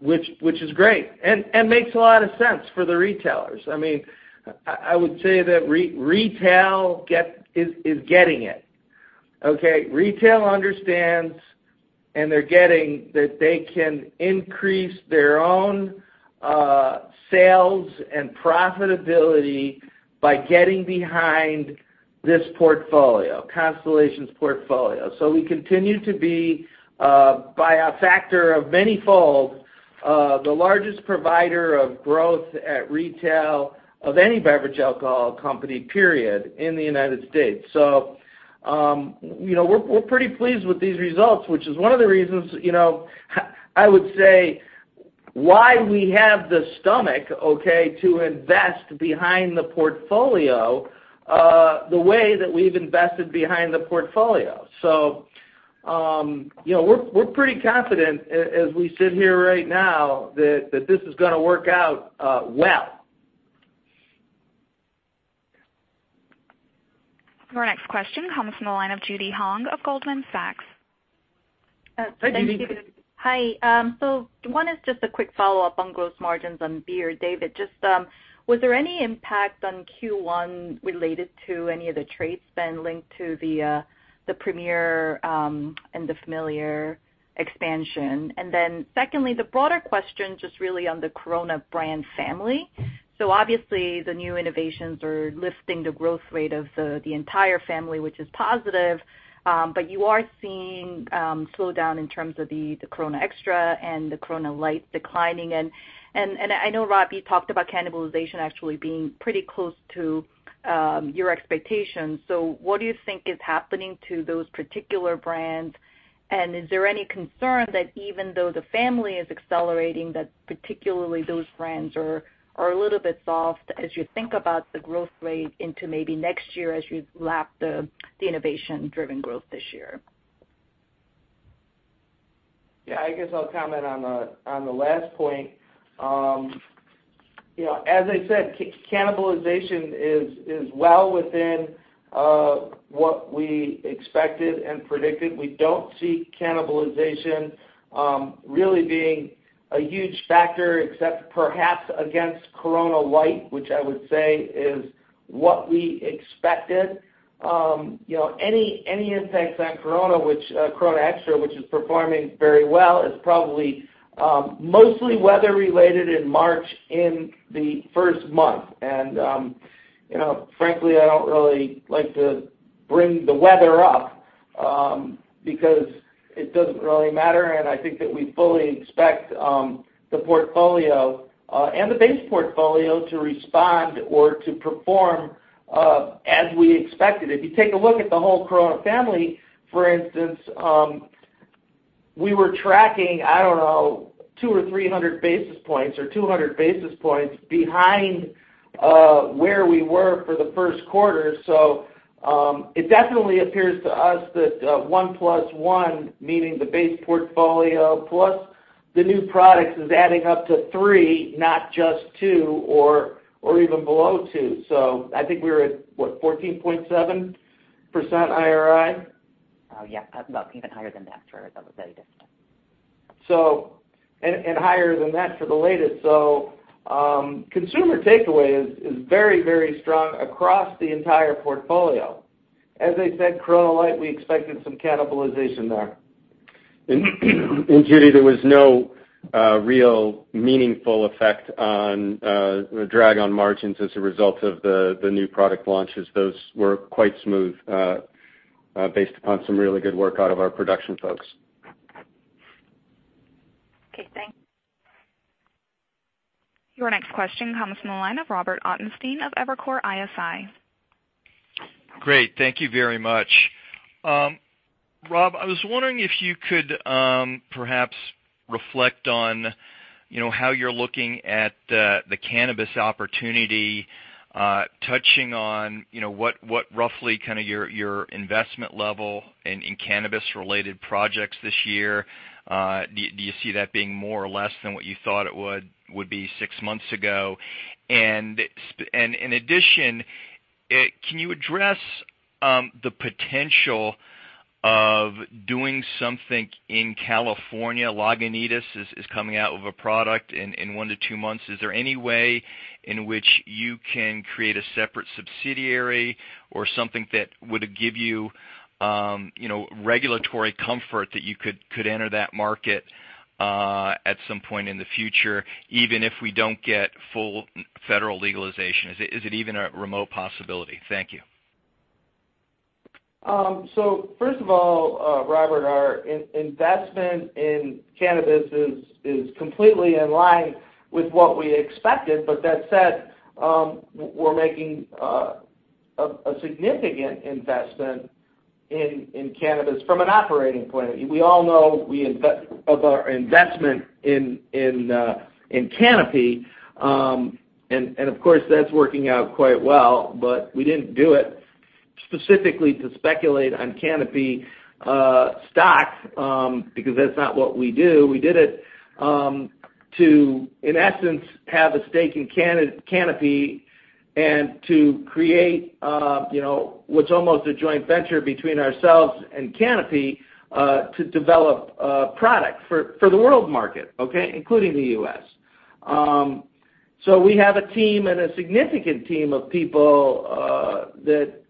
which is great and makes a lot of sense for the retailers. I would say that retail is getting it. Okay? Retail understands, and they're getting that they can increase their own sales and profitability by getting behind this portfolio, Constellation's portfolio. We continue to be, by a factor of many folds, the largest provider of growth at retail of any beverage alcohol company, period, in the U.S. We're pretty pleased with these results, which is one of the reasons, I would say why we have the stomach, okay, to invest behind the portfolio, the way that we've invested behind the portfolio. We're pretty confident as we sit here right now that this is gonna work out well. Our next question comes from the line of Judy Hong of Goldman Sachs. Sorry, Judy. Thank you. Hi. One is just a quick follow-up on gross margins on beer. David, just was there any impact on Q1 related to any of the trade spend linked to the Corona Premier and the Corona Familiar expansion? Secondly, the broader question, just really on the Corona brand family. Obviously the new innovations are lifting the growth rate of the entire family, which is positive. But you are seeing slowdown in terms of the Corona Extra and the Corona Light declining, and I know, Rob, you talked about cannibalization actually being pretty close to your expectations. What do you think is happening to those particular brands? And is there any concern that even though the family is accelerating, that particularly those brands are a little bit soft as you think about the growth rate into maybe next year as you lap the innovation-driven growth this year? I guess I'll comment on the last point. As I said, cannibalization is well within what we expected and predicted. We don't see cannibalization really being a huge factor, except perhaps against Corona Light, which I would say is what we expected. Any impacts on Corona Extra, which is performing very well, is probably mostly weather related in March in the first month. Frankly, I don't really like to bring the weather up, because it doesn't really matter, and I think that we fully expect the portfolio and the base portfolio to respond or to perform as we expected. If you take a look at the whole Corona family, for instance, we were tracking, I don't know, 200 or 300 basis points behind where we were for the first quarter. It definitely appears to us that one plus one, meaning the base portfolio plus the new products, is adding up to three, not just two or even below two. I think we were at, what, 14.7% IRI? Yeah. Even higher than that for the latest. Higher than that for the latest. Consumer takeaway is very strong across the entire portfolio. As I said, Corona Light, we expected some cannibalization there. Judy, there was no real meaningful effect on drag on margins as a result of the new product launches. Those were quite smooth based upon some really good work out of our production folks. Okay, thanks. Your next question comes from the line of Robert Ottenstein of Evercore ISI. Great. Thank you very much. Rob, I was wondering if you could perhaps reflect on how you're looking at the cannabis opportunity, touching on what roughly kind of your investment level in cannabis related projects this year. Do you see that being more or less than what you thought it would be six months ago? In addition, can you address the potential of doing something in California? Lagunitas is coming out with a product in one to two months. Is there any way in which you can create a separate subsidiary or something that would give you regulatory comfort that you could enter that market at some point in the future, even if we don't get full federal legalization? Is it even a remote possibility? Thank you. First of all, Robert, our investment in cannabis is completely in line with what we expected. That said, we're making a significant investment in cannabis from an operating point of view. We all know of our investment in Canopy, and of course, that's working out quite well, but we didn't do it specifically to speculate on Canopy stock because that's not what we do. We did it to, in essence, have a stake in Canopy and to create what's almost a joint venture between ourselves and Canopy to develop a product for the world market, okay, including the U.S. We have a team and a significant team of people that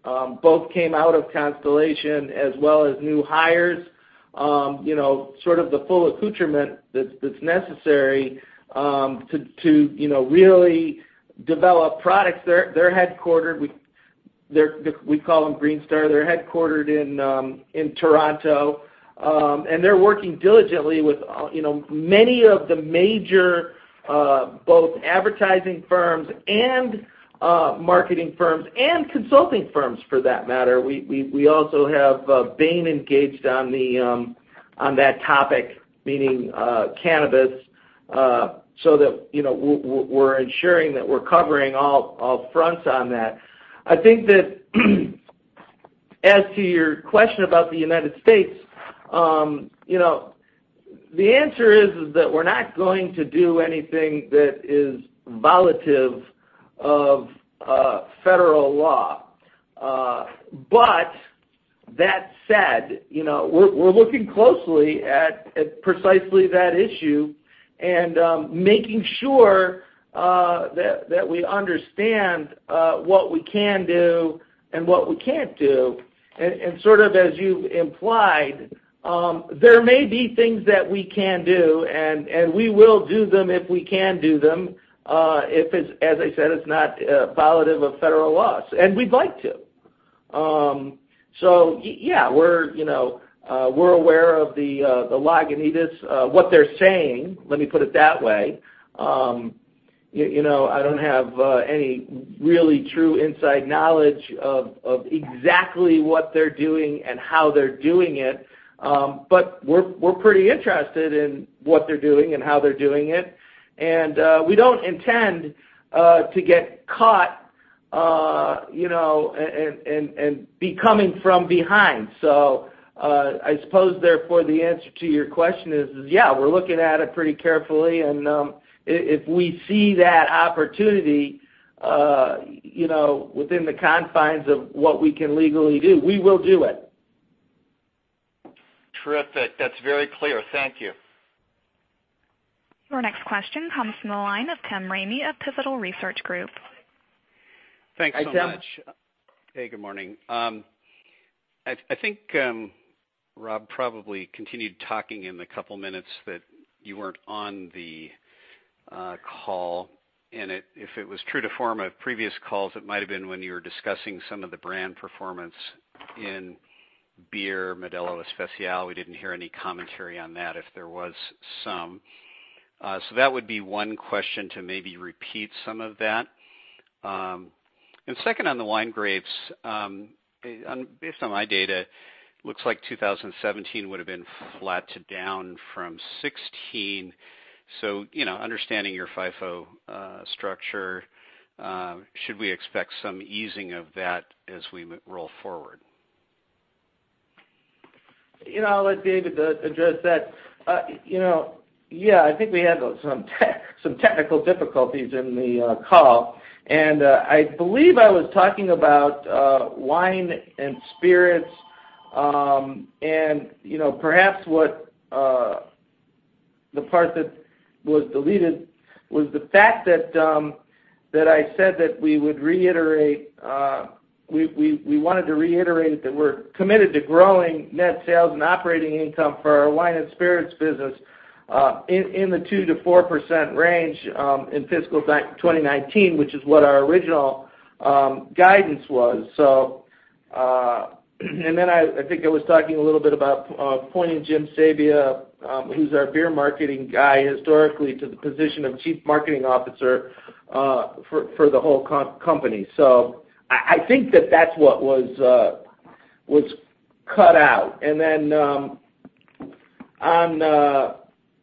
both came out of Constellation as well as new hires, sort of the full accoutrement that's necessary to really develop products. They're headquartered, we call them Green Star. They're headquartered in Toronto. They're working diligently with many of the major both advertising firms and marketing firms and consulting firms for that matter. We also have Bain engaged on that topic, meaning cannabis, that we're ensuring that we're covering all fronts on that. I think that as to your question about the U.S., the answer is that we're not going to do anything that is violative of federal law. That said, we're looking closely at precisely that issue and making sure that we understand what we can do and what we can't do. Sort of as you implied, there may be things that we can do, and we will do them if we can do them, if it's, as I said, it's not violative of federal laws, and we'd like to. Yeah, we're aware of the Lagunitas, what they're saying, let me put it that way. I don't have any really true inside knowledge of exactly what they're doing and how they're doing it. We're pretty interested in what they're doing and how they're doing it. We don't intend to get caught and be coming from behind. I suppose therefore the answer to your question is, yeah, we're looking at it pretty carefully. If we see that opportunity within the confines of what we can legally do, we will do it. Terrific. That's very clear. Thank you. Your next question comes from the line of Tim Ramey of Pivotal Research Group. Hi, Tim. Thanks so much. Hey, good morning. I think Rob probably continued talking in the couple minutes that you weren't on the call. If it was true to form of previous calls, it might've been when you were discussing some of the brand performance in beer, Modelo Especial. We didn't hear any commentary on that, if there was some. That would be one question to maybe repeat some of that. Second on the wine grapes, based on my data, looks like 2017 would've been flat to down from 2016. Understanding your FIFO structure, should we expect some easing of that as we roll forward? I'll let David address that. I think we had some technical difficulties in the call. I believe I was talking about wine and spirits. Perhaps the part that was deleted was the fact that I said that we wanted to reiterate that we're committed to growing net sales and operating income for our wine and spirits business, in the 2%-4% range, in fiscal 2019, which is what our original guidance was. I think I was talking a little bit about appointing Jim Sabia, who's our beer marketing guy historically, to the position of Chief Marketing Officer for the whole company. I think that that's what was cut out. On the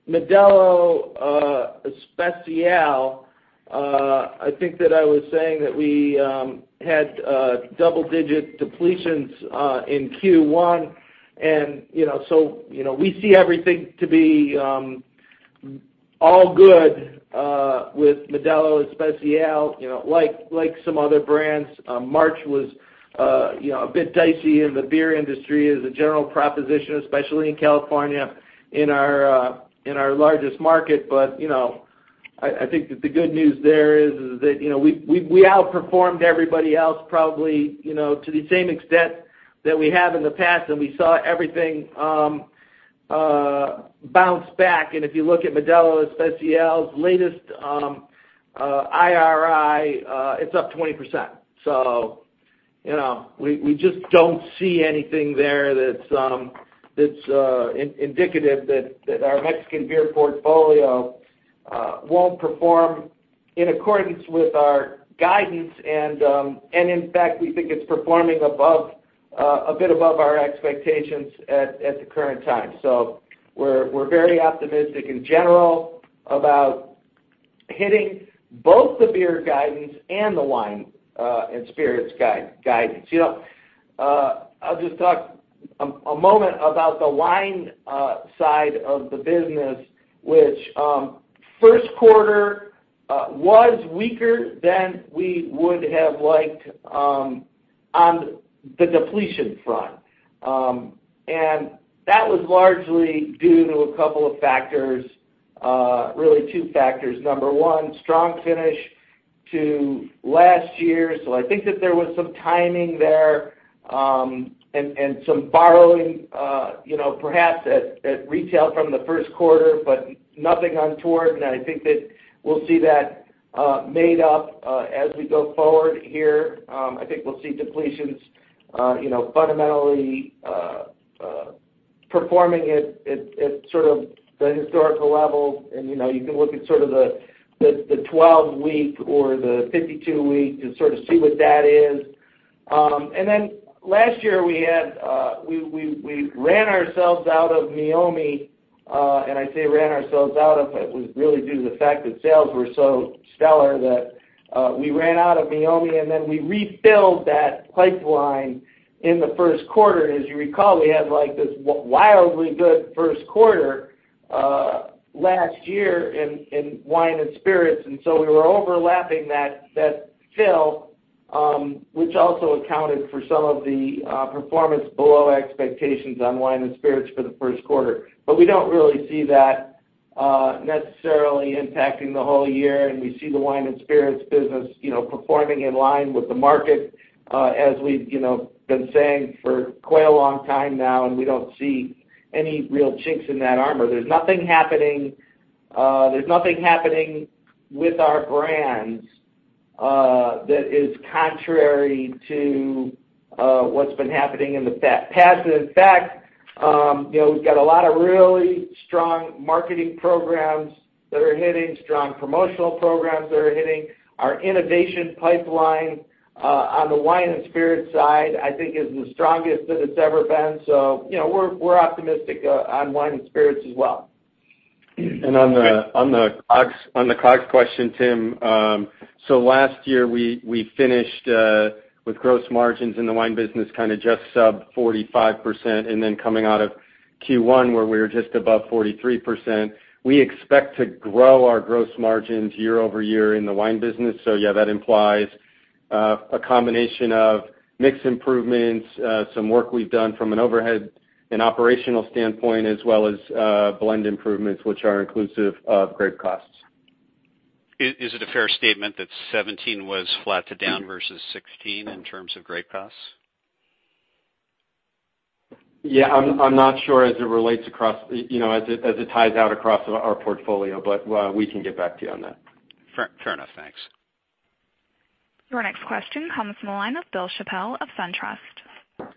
Modelo Especial, I think that I was saying that we had double-digit depletions in Q1, we see everything to be all good with Modelo Especial. Like some other brands, March was a bit dicey in the beer industry as a general proposition, especially in California in our largest market. I think that the good news there is that we outperformed everybody else probably to the same extent that we have in the past, and we saw everything bounce back. If you look at Modelo Especial's latest IRI, it's up 20%. We just don't see anything there that's indicative that our Mexican beer portfolio won't perform in accordance with our guidance. In fact, we think it's performing a bit above our expectations at the current time. We're very optimistic in general about hitting both the beer guidance and the wine and spirits guidance. I'll just talk a moment about the wine side of the business, which first quarter was weaker than we would have liked on the depletion front. That was largely due to a couple of factors, really two factors. Number one, strong finish to last year. I think that there was some timing there, and some borrowing perhaps at retail from the first quarter, but nothing untoward. I think that we'll see that made up as we go forward here. I think we'll see depletions fundamentally performing at sort of the historical levels. You can look at sort of the 12-week or the 52-week to sort of see what that is. Last year, we ran ourselves out of Meiomi, and I say ran ourselves out of it was really due to the fact that sales were so stellar that we ran out of Meiomi, then we refilled that pipeline in the first quarter. As you recall, we had this wildly good first quarter last year in wine and spirits. We were overlapping that fill, which also accounted for some of the performance below expectations on wine and spirits for the first quarter. We don't really see that necessarily impacting the whole year, and we see the wine and spirits business performing in line with the market, as we've been saying for quite a long time now, and we don't see any real chinks in that armor. There's nothing happening with our brands that is contrary to what's been happening in the past. In fact, we've got a lot of really strong marketing programs that are hitting, strong promotional programs that are hitting. Our innovation pipeline on the wine and spirits side, I think is the strongest that it's ever been. We're optimistic on wine and spirits as well. On the COGS question, Tim, last year, we finished with gross margins in the wine business kind of just sub 45%, and then coming out of Q1, where we were just above 43%. We expect to grow our gross margins year-over-year in the wine business. Yeah, that implies a combination of mix improvements, some work we've done from an overhead and operational standpoint, as well as blend improvements, which are inclusive of grape costs. Is it a fair statement that 2017 was flat to down versus 2016 in terms of grape costs? Yeah, I'm not sure as it ties out across our portfolio, but we can get back to you on that. Fair enough. Thanks. Your next question comes from the line of Bill Chappell of SunTrust.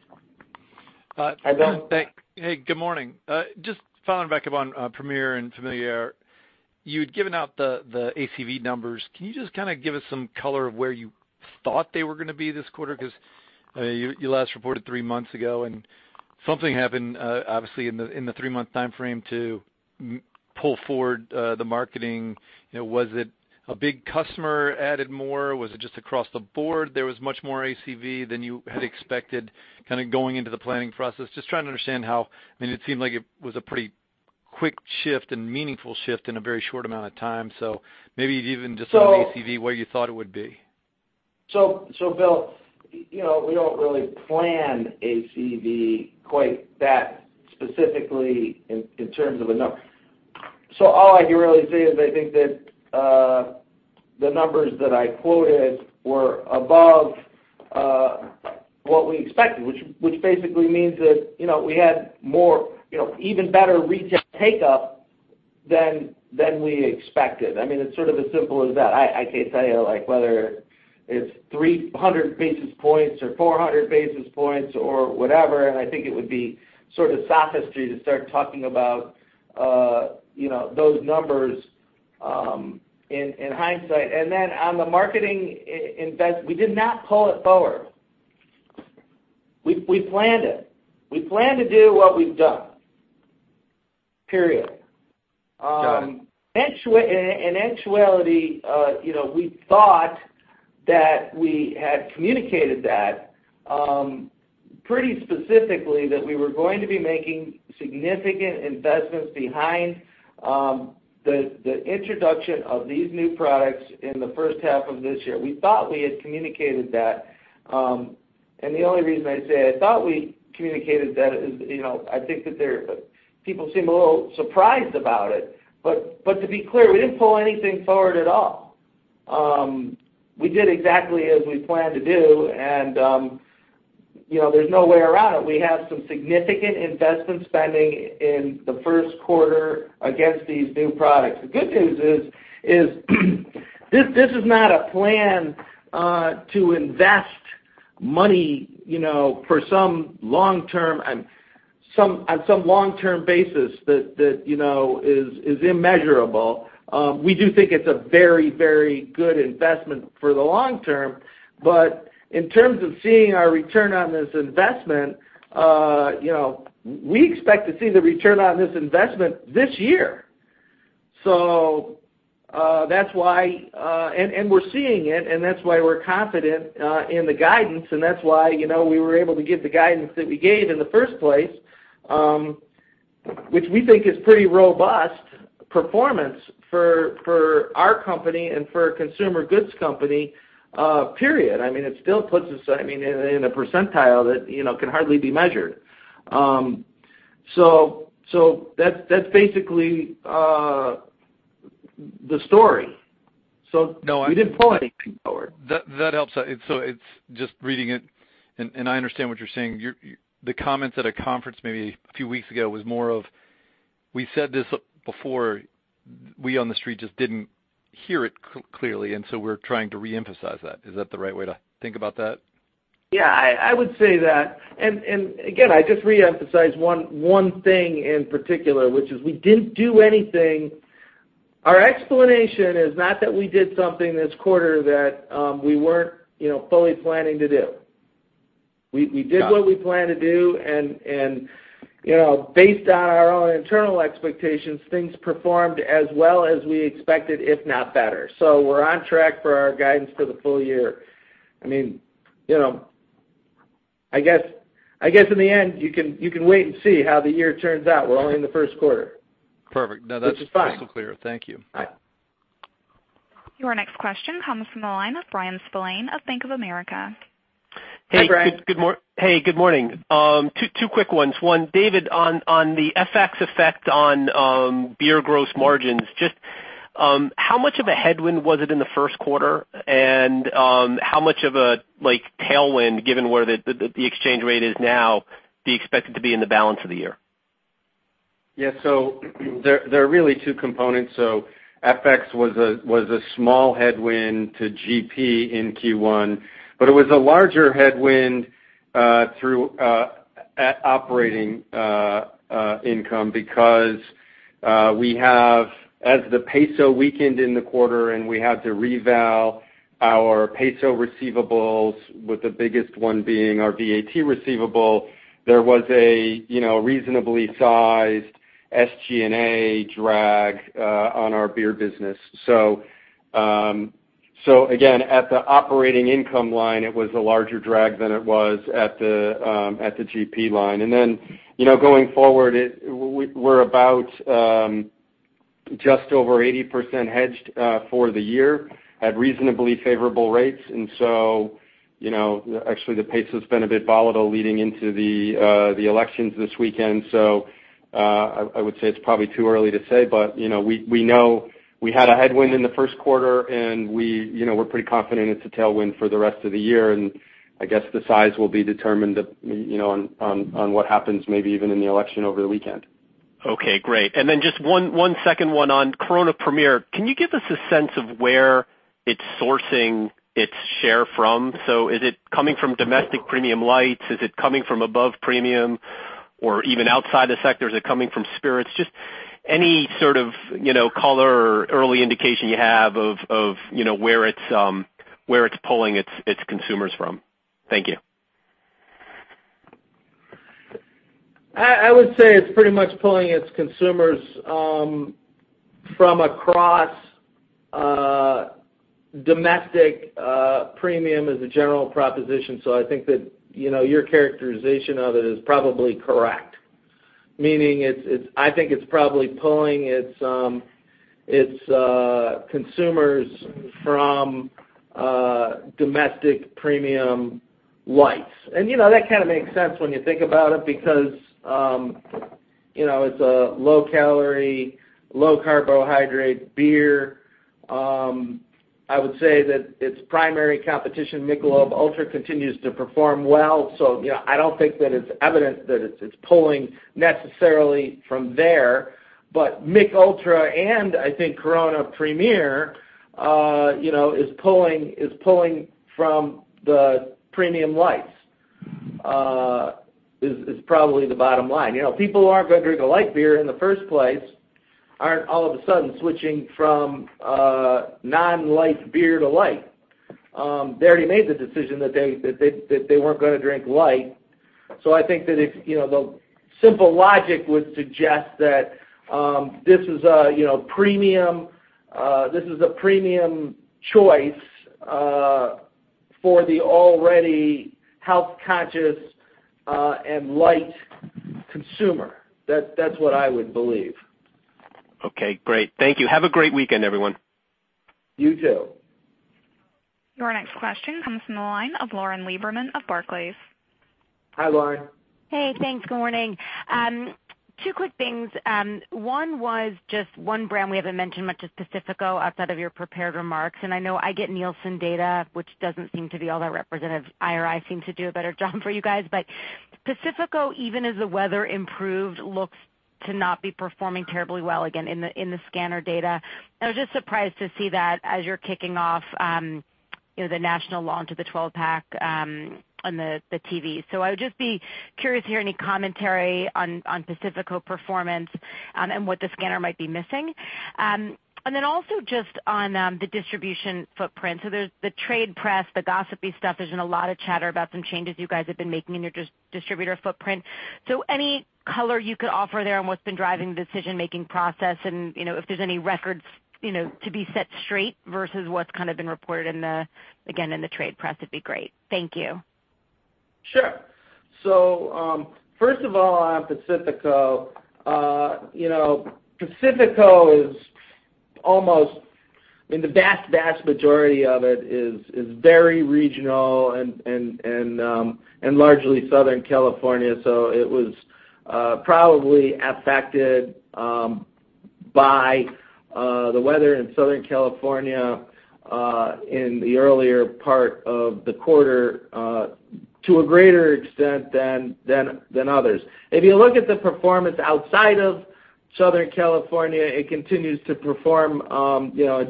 Hi, Bill. Hey, good morning. Just following back up on Premier and Familiar. You had given out the ACV numbers. Can you just kind of give us some color of where you thought they were going to be this quarter? Because you last reported three months ago, and something happened, obviously, in the three-month timeframe to pull forward the marketing. Was it a big customer added more? Was it just across the board, there was much more ACV than you had expected, kind of going into the planning process? Just trying to understand how I mean, it seemed like it was a pretty quick shift and meaningful shift in a very short amount of time. So maybe even just on ACV, where you thought it would be. Bill, we don't really plan ACV quite that specifically in terms of a number. All I can really say is, I think that the numbers that I quoted were above what we expected, which basically means that we had even better retail takeup than we expected. I mean, it's sort of as simple as that. I can't tell you like whether it's 300 basis points or 400 basis points or whatever. I think it would be sort of sophistry to start talking about those numbers in hindsight. On the marketing invest, we did not pull it forward. We planned it. We planned to do what we've done, period. Got it. In actuality, we thought that we had communicated that pretty specifically, that we were going to be making significant investments behind the introduction of these new products in the first half of this year. We thought we had communicated that. The only reason I say I thought we communicated that is, I think that people seem a little surprised about it. To be clear, we didn't pull anything forward at all. We did exactly as we planned to do, and there's no way around it. We have some significant investment spending in the first quarter against these new products. The good news is this is not a plan to invest money for some long-term basis that is immeasurable. We do think it's a very good investment for the long term. In terms of seeing our return on this investment, we expect to see the return on this investment this year. We're seeing it, and that's why we're confident in the guidance, and that's why we were able to give the guidance that we gave in the first place, which we think is pretty robust performance for our company and for a consumer goods company, period. I mean, it still puts us in a percentile that can hardly be measured. That's basically the story. We didn't pull anything forward. That helps. Just reading it, I understand what you're saying. The comments at a conference maybe a few weeks ago was more of, we said this before. We on the street just didn't hear it clearly, we're trying to re-emphasize that. Is that the right way to think about that? Yeah, I would say that. Again, I just re-emphasize one thing in particular, which is we didn't do anything. Our explanation is not that we did something this quarter that we weren't fully planning to do. Got it. We did what we planned to do, based on our own internal expectations, things performed as well as we expected, if not better. We're on track for our guidance for the full year. I guess in the end, you can wait and see how the year turns out. We're only in the first quarter. Perfect. No, that's. Which is fine crystal clear. Thank you. All right. Your next question comes from the line of Bryan Spillane of Bank of America. Hi, Bryan. Hey, good morning. Two quick ones. One, David, on the FX effect on beer gross margins, just how much of a headwind was it in the first quarter? How much of a tailwind, given where the exchange rate is now, do you expect it to be in the balance of the year? Yeah. There are really two components. FX was a small headwind to GP in Q1, but it was a larger headwind through operating income because as the peso weakened in the quarter and we had to reval our peso receivables, with the biggest one being our VAT receivable, there was a reasonably sized SG&A drag on our beer business. Again, at the operating income line, it was a larger drag than it was at the GP line. Going forward, we're about just over 80% hedged for the year at reasonably favorable rates. Actually the peso's been a bit volatile leading into the elections this weekend. I would say it's probably too early to say, but we know we had a headwind in the first quarter and we're pretty confident it's a tailwind for the rest of the year, and I guess the size will be determined on what happens maybe even in the election over the weekend. Okay, great. Then just one second one on Corona Premier. Can you give us a sense of where it's sourcing its share from? Is it coming from domestic premium lights? Is it coming from above premium or even outside the sector? Is it coming from spirits? Just any sort of color or early indication you have of where it's pulling its consumers from. Thank you. I would say it's pretty much pulling its consumers from across domestic premium as a general proposition. I think that your characterization of it is probably correct. Meaning I think it's probably pulling its consumers from domestic premium lights. That kind of makes sense when you think about it because it's a low calorie, low carbohydrate beer. I would say that its primary competition, Michelob Ultra, continues to perform well. I don't think that it's evident that it's pulling necessarily from there, but Michelob Ultra and I think Corona Premier is pulling from the premium lights, is probably the bottom line. People who aren't going to drink a light beer in the first place aren't all of a sudden switching from non-light beer to light. They already made the decision that they weren't going to drink light. I think that the simple logic would suggest that this is a premium choice for the already health-conscious and light consumer. That's what I would believe. Okay, great. Thank you. Have a great weekend, everyone. You too. Your next question comes from the line of Lauren Lieberman of Barclays. Hi, Lauren. Hey, thanks. Good morning. Two quick things. One was just one brand we haven't mentioned much is Pacifico outside of your prepared remarks. I know I get Nielsen data, which doesn't seem to be all that representative. IRI seem to do a better job for you guys. Pacifico, even as the weather improved, looks to not be performing terribly well again in the scanner data. I was just surprised to see that as you're kicking off the national launch of the 12-pack on the TV. I would just be curious to hear any commentary on Pacifico performance and what the scanner might be missing. Also just on the distribution footprint. There's the trade press, the gossipy stuff. There's been a lot of chatter about some changes you guys have been making in your distributor footprint. Any color you could offer there on what's been driving the decision-making process and if there's any records to be set straight versus what's kind of been reported, again, in the trade press would be great. Thank you. Sure. First of all, on Pacifico. Pacifico is, I mean, the vast majority of it is very regional and largely Southern California. It was probably affected by the weather in Southern California in the earlier part of the quarter to a greater extent than others. If you look at the performance outside of Southern California, it continues to perform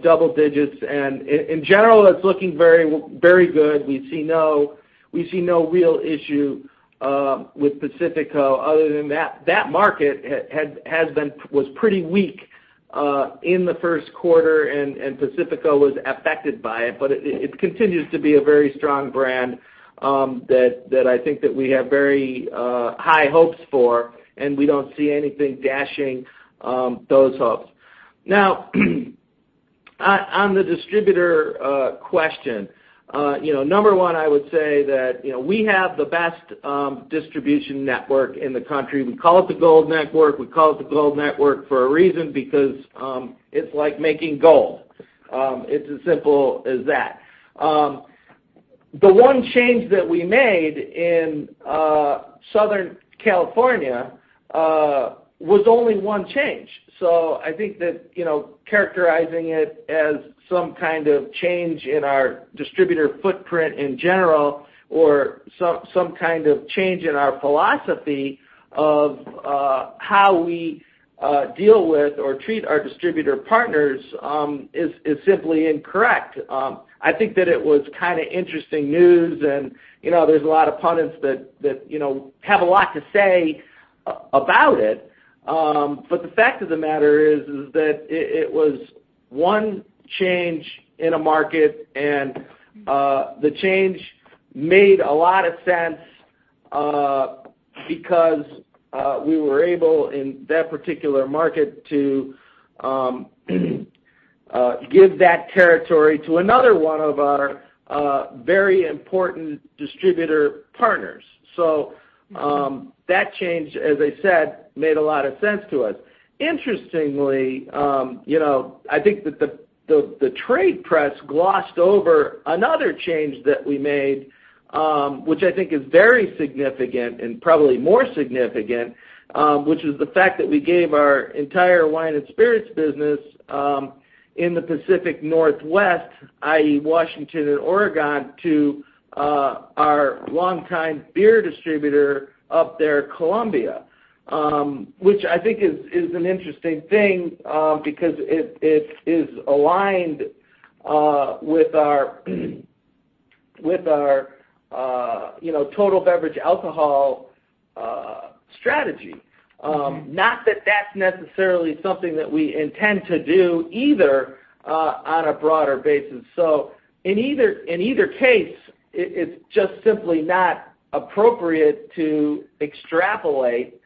double digits. In general, it's looking very good. We see no real issue with Pacifico other than that market was pretty weak in the first quarter and Pacifico was affected by it. It continues to be a very strong brand that I think that we have very high hopes for, and we don't see anything dashing those hopes. Now on the distributor question. Number 1, I would say that we have the best distribution network in the country. We call it the Gold Network. We call it the Gold Network for a reason because it's like making gold. It's as simple as that. The one change that we made in Southern California was only one change. I think that characterizing it as some kind of change in our distributor footprint in general or some kind of change in our philosophy of how we deal with or treat our distributor partners is simply incorrect. I think that it was kind of interesting news and there's a lot of pundits that have a lot to say about it. The fact of the matter is that it was one change in a market, and the change made a lot of sense because we were able, in that particular market, to give that territory to another one of our very important distributor partners. That change, as I said, made a lot of sense to us. Interestingly, I think that the trade press glossed over another change that we made, which I think is very significant and probably more significant, which is the fact that we gave our entire wine and spirits business in the Pacific Northwest, i.e., Washington and Oregon, to our longtime beer distributor up there, Columbia, which I think is an interesting thing because it is aligned with our total beverage alcohol strategy. Not that that's necessarily something that we intend to do either on a broader basis. In either case, it's just simply not appropriate to extrapolate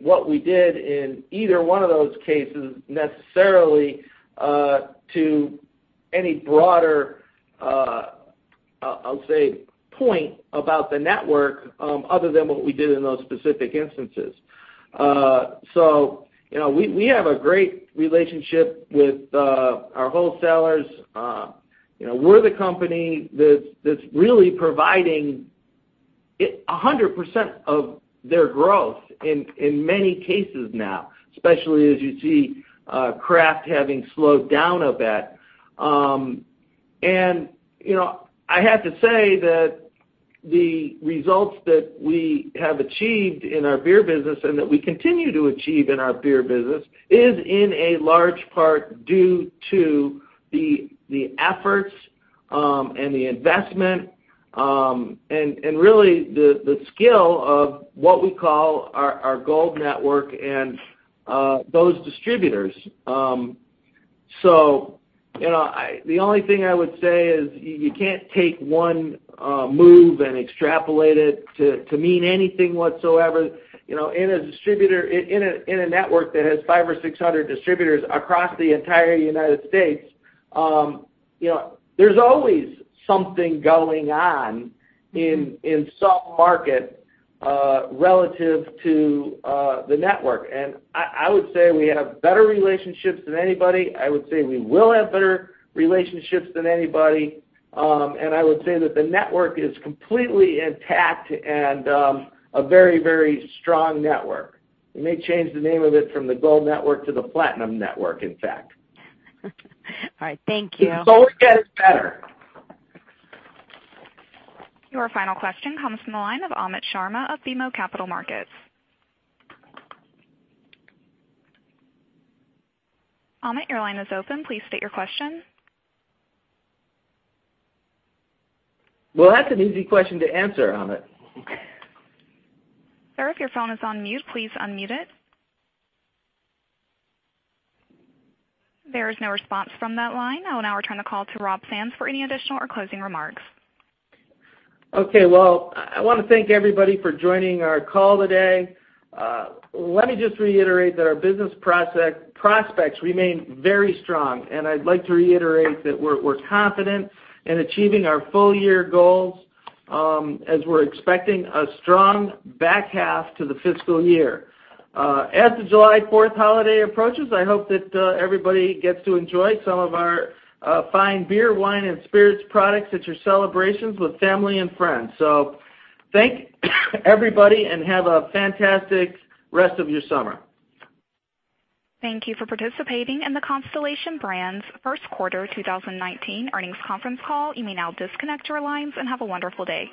what we did in either one of those cases necessarily to any broader, I'll say, point about the network other than what we did in those specific instances. We have a great relationship with our wholesalers. We're the company that's really providing 100% of their growth in many cases now, especially as you see craft having slowed down a bit. I have to say that the results that we have achieved in our beer business and that we continue to achieve in our beer business is in a large part due to the efforts and the investment, and really the skill of what we call our Gold Network and those distributors. The only thing I would say is you can't take one move and extrapolate it to mean anything whatsoever. In a network that has 500 or 600 distributors across the entire United States, there's always something going on in some market relative to the network. I would say we have better relationships than anybody. I would say we will have better relationships than anybody. I would say that the network is completely intact and a very strong network. We may change the name of it from the Gold Network to the Platinum Network, in fact. All right. Thank you. It's always getting better. Your final question comes from the line of Amit Sharma of BMO Capital Markets. Amit, your line is open. Please state your question. Well, that's an easy question to answer, Amit. Sir, if your phone is on mute, please unmute it. There is no response from that line. I will now return the call to Rob Sands for any additional or closing remarks. Okay, well, I want to thank everybody for joining our call today. Let me just reiterate that our business prospects remain very strong, and I'd like to reiterate that we're confident in achieving our full year goals as we're expecting a strong back half to the fiscal year. As the July 4th holiday approaches, I hope that everybody gets to enjoy some of our fine beer, wine, and spirits products at your celebrations with family and friends. Thank you everybody, and have a fantastic rest of your summer. Thank you for participating in the Constellation Brands First Quarter 2019 Earnings Conference Call. You may now disconnect your lines, and have a wonderful day